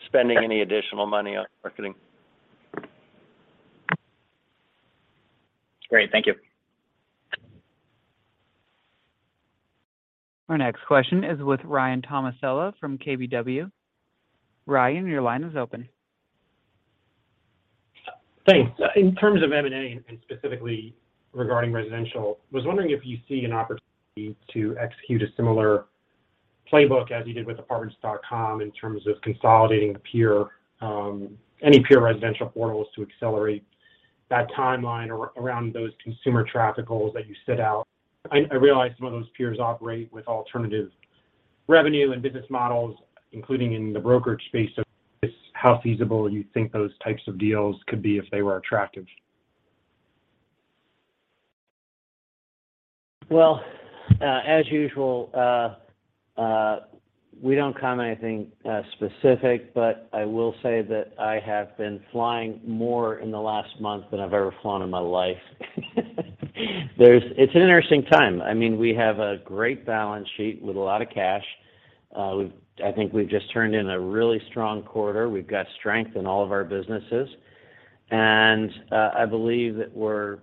spending any additional money on marketing. Great. Thank you. Our next question is with Ryan Tomasello from KBW. Ryan, your line is open. Thanks. In terms of M&A and specifically regarding residential, I was wondering if you see an opportunity to execute a similar playbook as you did with Apartments.com in terms of consolidating the peer, any peer residential portals to accelerate that timeline around those consumer traffic goals that you set out. I realize some of those peers operate with alternative revenue and business models, including in the brokerage space. Just how feasible you think those types of deals could be if they were attractive? Well, as usual, we don't comment on anything specific, but I will say that I have been flying more in the last month than I've ever flown in my life. It's an interesting time. I mean, we have a great balance sheet with a lot of cash. I think we've just turned in a really strong quarter. We've got strength in all of our businesses. I believe that we're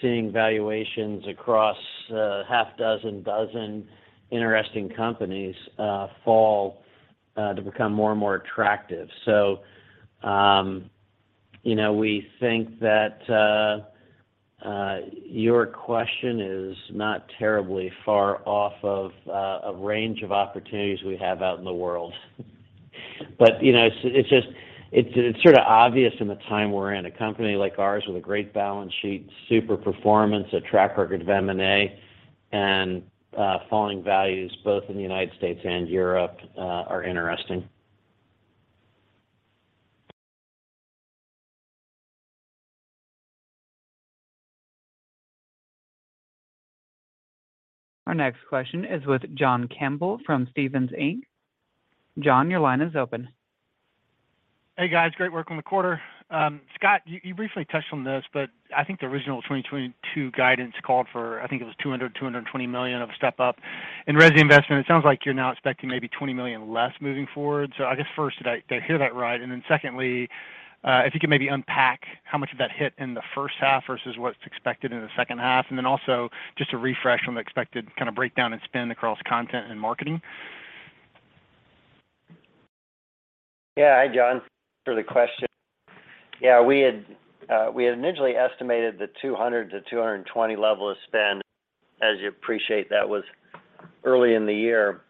seeing valuations across a half dozen to a dozen interesting companies fall to become more and more attractive. You know, we think that your question is not terribly far off of a range of opportunities we have out in the world. You know, it's just sort of obvious in the time we're in. A company like ours with a great balance sheet, super performance, a track record of M&A, and falling values both in the United States and Europe are interesting. Our next question is with John Campbell from Stephens Inc. John, your line is open. Hey, guys. Great work on the quarter. Scott, you briefly touched on this, but I think the original 2022 guidance called for, I think it was $220 million of step-up in R&D investment. It sounds like you're now expecting maybe $20 million less moving forward. I guess first, did I hear that right? Secondly, if you could maybe unpack how much of that hit in the first half versus what's expected in the second half. Also just to refresh on the expected kind of breakdown and spend across content and marketing. Hi, John. Thanks for the question. We had initially estimated the $200 million-$220 million level of spend. As you appreciate, that was early in the year.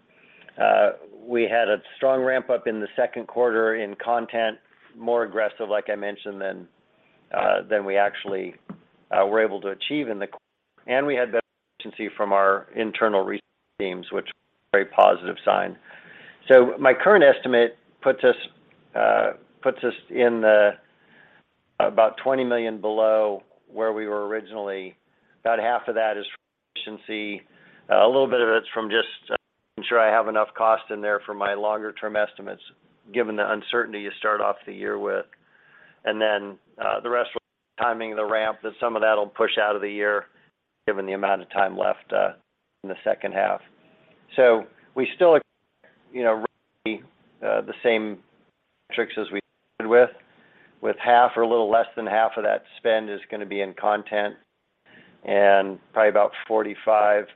We had a strong ramp-up in the second quarter in content, more aggressive, like I mentioned, than we actually were able to achieve in the quarter. We had better efficiency from our internal research teams, which was a very positive sign. My current estimate puts us in about $20 million below where we were originally. About half of that is from efficiency. A little bit of it's from just making sure I have enough cost in there for my longer term estimates, given the uncertainty you start off the year with. The rest will be timing the ramp, and some of that'll push out of the year given the amount of time left in the second half. We still expect, you know, roughly the same metrics as we started with half or a little less than half of that spend is gonna be in content, and probably about 45%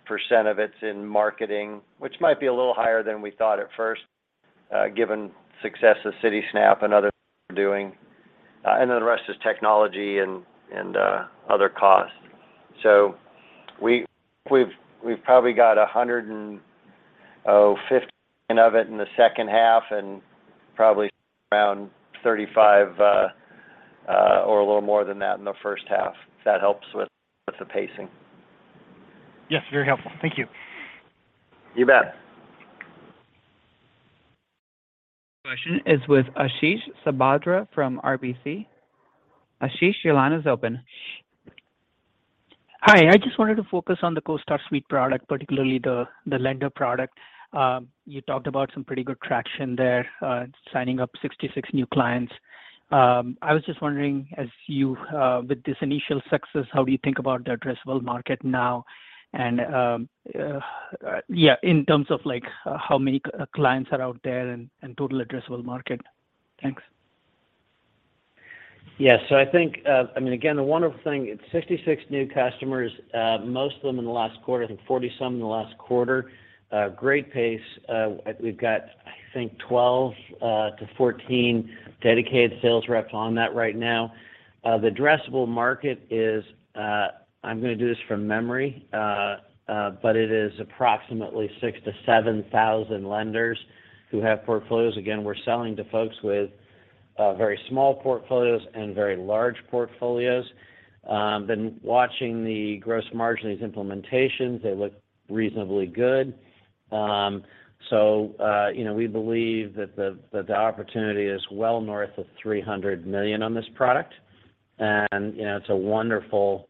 of it's in marketing, which might be a little higher than we thought at first, given success of Citysnap and other things we're doing. The rest is technology and other costs. We've probably got $150 million of it in the second half and probably around $35 million or a little more than that in the first half, if that helps with the pacing. Yes, very helpful. Thank you. You bet. Question is with Ashish Sabadra from RBC. Ashish, your line is open. Hi. I just wanted to focus on the CoStar Suite product, particularly the lender product. You talked about some pretty good traction there, signing up 66 new clients. I was just wondering with this initial success, how do you think about the addressable market now and yeah, in terms of like how many clients are out there and total addressable market? Thanks. Yeah. I think, I mean, again, the wonderful thing, it's 66 new customers, most of them in the last quarter. I think 40-some in the last quarter. Great pace. We've got, I think 12-14 dedicated sales reps on that right now. The addressable market is, I'm gonna do this from memory, but it is approximately 6,000-7,000 lenders who have portfolios. Again, we're selling to folks with very small portfolios and very large portfolios. Been watching the gross margin, these implementations, they look reasonably good. You know, we believe that the opportunity is well north of $300 million on this product. You know, it's a wonderful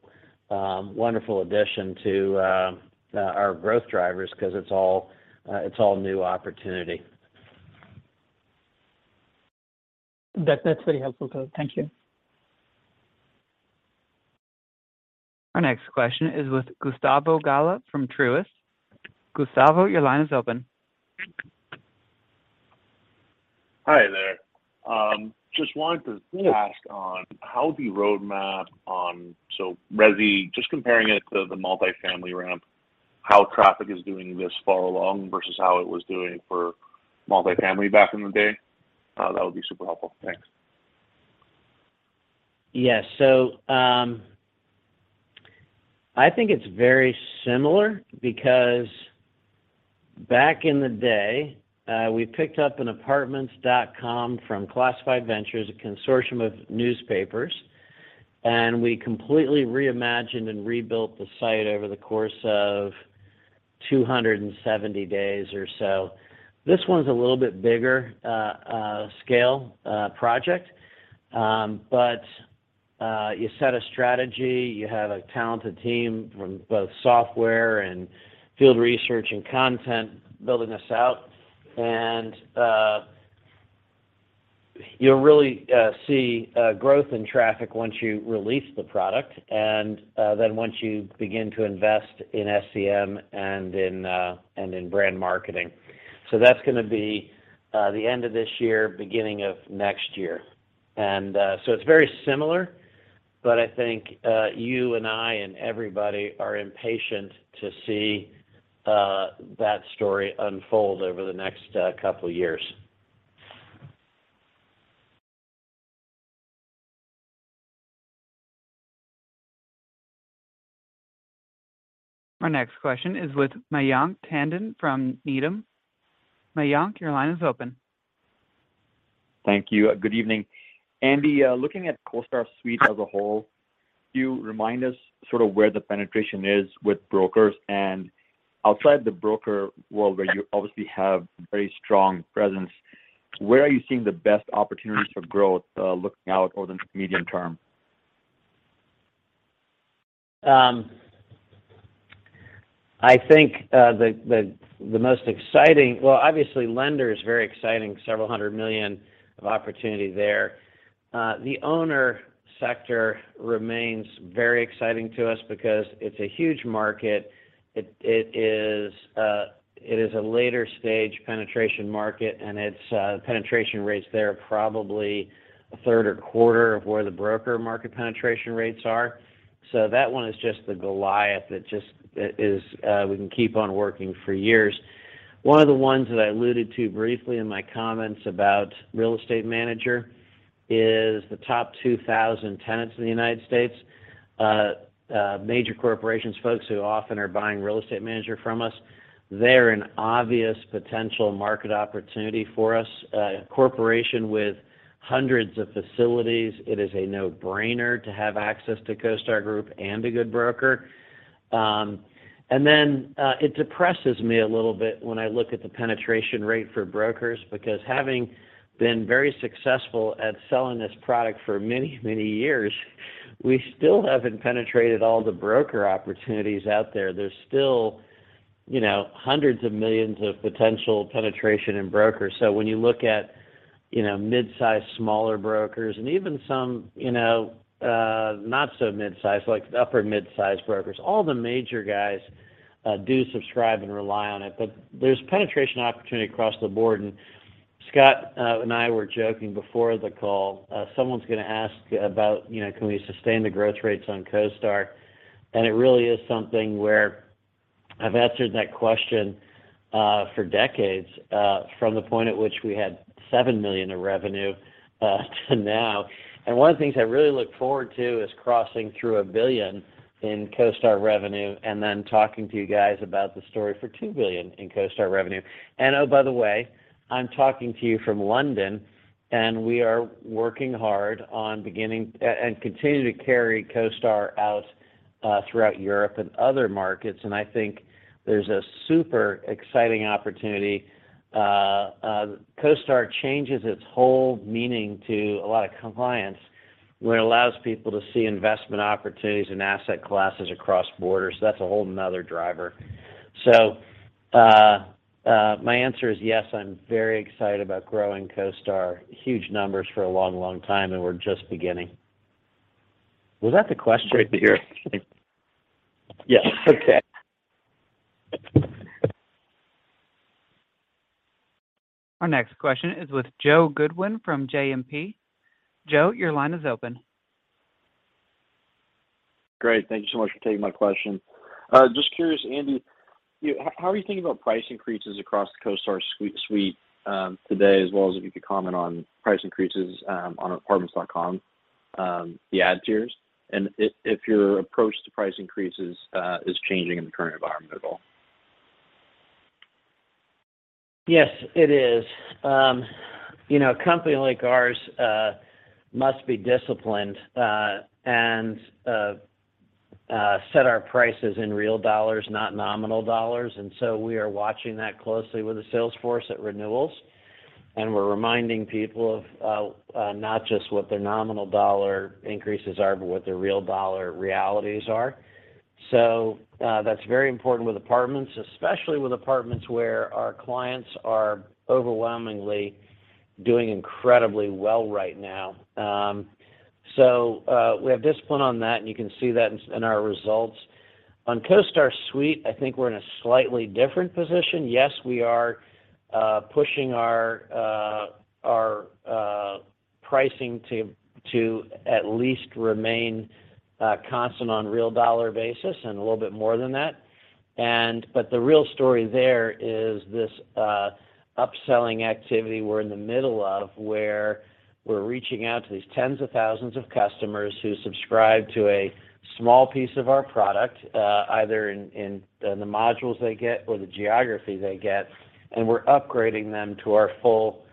addition to our growth drivers because it's all new opportunity. That's very helpful, though. Thank you. Our next question is with Gustavo Gala from Truist. Gustavo, your line is open. Hi there. Just wanted to ask on how the roadmap on, so resi, just comparing it to the multifamily ramp, how traffic is doing this far along versus how it was doing for multifamily back in the day? That would be super helpful. Thanks. Yes. I think it's very similar because back in the day, we picked up an Apartments.com from Classified Ventures, a consortium of newspapers, and we completely reimagined and rebuilt the site over the course of 270 days or so. This one's a little bit bigger scale project. You set a strategy, you have a talented team from both software and field research and content building this out. You'll really see growth in traffic once you release the product, and then once you begin to invest in SEM and in brand marketing. That's gonna be the end of this year, beginning of next year. It's very similar, but I think you and I and everybody are impatient to see that story unfold over the next couple years. Our next question is with Mayank Tandon from Needham. Mayank, your line is open. Thank you. Good evening. Andy, looking at CoStar Suite as a whole, can you remind us sort of where the penetration is with brokers? Outside the broker world where you obviously have very strong presence, where are you seeing the best opportunities for growth, looking out over the medium term? I think the most exciting. Well, obviously lender is very exciting, several hundred million of opportunity there. The owner sector remains very exciting to us because it's a huge market. It is a later stage penetration market, and its penetration rates there are probably a third or quarter of where the broker market penetration rates are. That one is just the Goliath that it is. We can keep on working for years. One of the ones that I alluded to briefly in my comments about Real Estate Manager is the top 2,000 tenants in the United States, major corporations, folks who often are buying Real Estate Manager from us, they're an obvious potential market opportunity for us. Corporation with hundreds of facilities, it is a no-brainer to have access to CoStar Group and a good broker. It depresses me a little bit when I look at the penetration rate for brokers, because having been very successful at selling this product for many, many years, we still haven't penetrated all the broker opportunities out there. There's still, you know, hundreds of millions of potential penetration in brokers. So when you look at, you know, mid-size, smaller brokers, and even some, you know, not so mid-size, like upper mid-size brokers, all the major guys do subscribe and rely on it. But there's penetration opportunity across the board. Scott and I were joking before the call, someone's gonna ask about, you know, can we sustain the growth rates on CoStar? It really is something where I've answered that question for decades from the point at which we had $7 million of revenue to now. One of the things I really look forward to is crossing through $1 billion in CoStar revenue and then talking to you guys about the story for $2 billion in CoStar revenue. Oh, by the way, I'm talking to you from London, and we are working hard on beginning and continue to carry CoStar out throughout Europe and other markets. I think there's a super exciting opportunity. CoStar changes its whole meaning to a lot of clients when it allows people to see investment opportunities and asset classes across borders. That's a whole another driver. My answer is yes, I'm very excited about growing CoStar. Huge numbers for a long, long time, and we're just beginning. Was that the question? Right there. Yes. Okay. Our next question is with Joe Goodwin from JMP. Joe, your line is open. Great. Thank you so much for taking my question. Just curious, Andy, how are you thinking about price increases across the CoStar Suite, today, as well as if you could comment on price increases on Apartments.com, the ad tiers, and if your approach to price increases is changing in the current environment at all? Yes, it is. You know, a company like ours must be disciplined and set our prices in real dollars, not nominal dollars. We are watching that closely with the sales force at renewals. We're reminding people of not just what their nominal dollar increases are, but what their real dollar realities are. That's very important with apartments, especially with apartments where our clients are overwhelmingly doing incredibly well right now. We have discipline on that, and you can see that in our results. On CoStar Suite, I think we're in a slightly different position. Yes, we are pushing our pricing to at least remain constant on real dollar basis and a little bit more than that. The real story there is this upselling activity we're in the middle of, where we're reaching out to these tens of thousands of customers who subscribe to a small piece of our product, either in the modules they get or the geography they get, and we're upgrading them to our full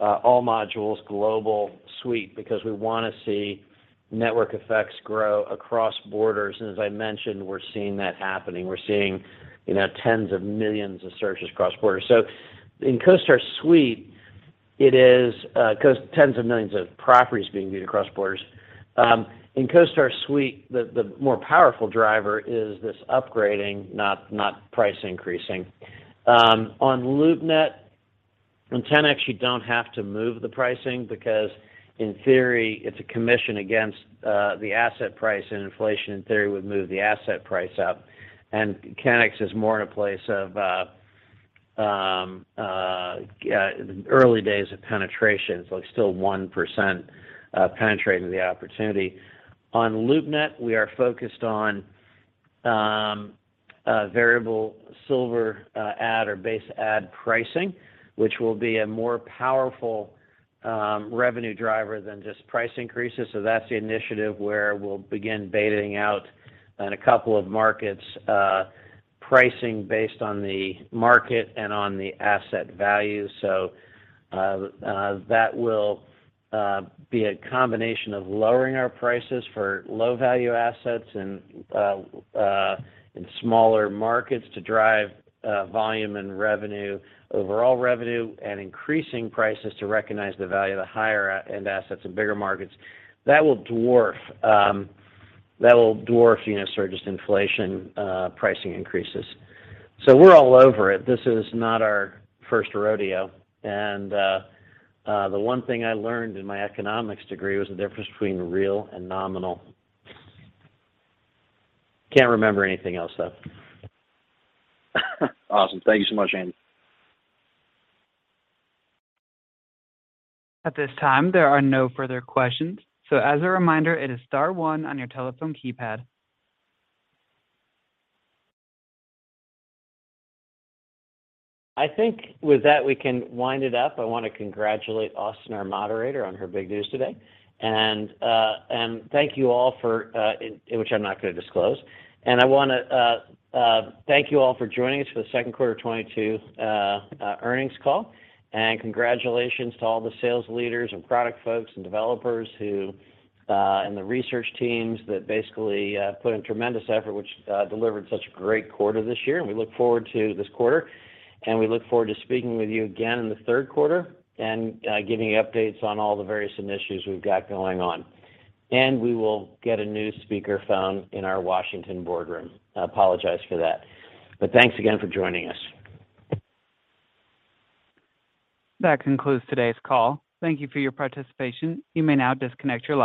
all modules global suite because we wanna see network effects grow across borders. As I mentioned, we're seeing that happening. We're seeing, you know, tens of millions of searches across borders. In CoStar Suite, it is tens of millions of properties being viewed across borders. In CoStar Suite, the more powerful driver is this upgrading, not price increasing. On LoopNet and Ten-X, you don't have to move the pricing because in theory, it's a commission against the asset price, and inflation in theory would move the asset price up. Ten-X is more in a place of early days of penetration. It's like still 1% penetrating the opportunity. On LoopNet, we are focused on variable silver ad or base ad pricing, which will be a more powerful revenue driver than just price increases. That's the initiative where we'll begin beta-ing out in a couple of markets, pricing based on the market and on the asset value. That will be a combination of lowering our prices for low-value assets in smaller markets to drive volume and revenue, overall revenue, and increasing prices to recognize the value of the higher end assets in bigger markets. That will dwarf, you know, sort of just inflation pricing increases. We're all over it. This is not our first rodeo. The one thing I learned in my economics degree was the difference between real and nominal. Can't remember anything else, though. Awesome. Thank you so much, Andy. At this time, there are no further questions. As a reminder, it is star one on your telephone keypad. I think with that, we can wind it up. I wanna congratulate Austin, our moderator, on her big news today, which I'm not gonna disclose. I wanna thank you all for joining us for the second quarter 2022 earnings call. Congratulations to all the sales leaders and product folks and developers and the research teams that basically put in tremendous effort, which delivered such a great quarter this year. We look forward to this quarter, and we look forward to speaking with you again in the third quarter and giving you updates on all the various initiatives we've got going on. We will get a new speaker phone in our Washington boardroom. I apologize for that. Thanks again for joining us. That concludes today's call. Thank you for your participation. You may now disconnect your lines.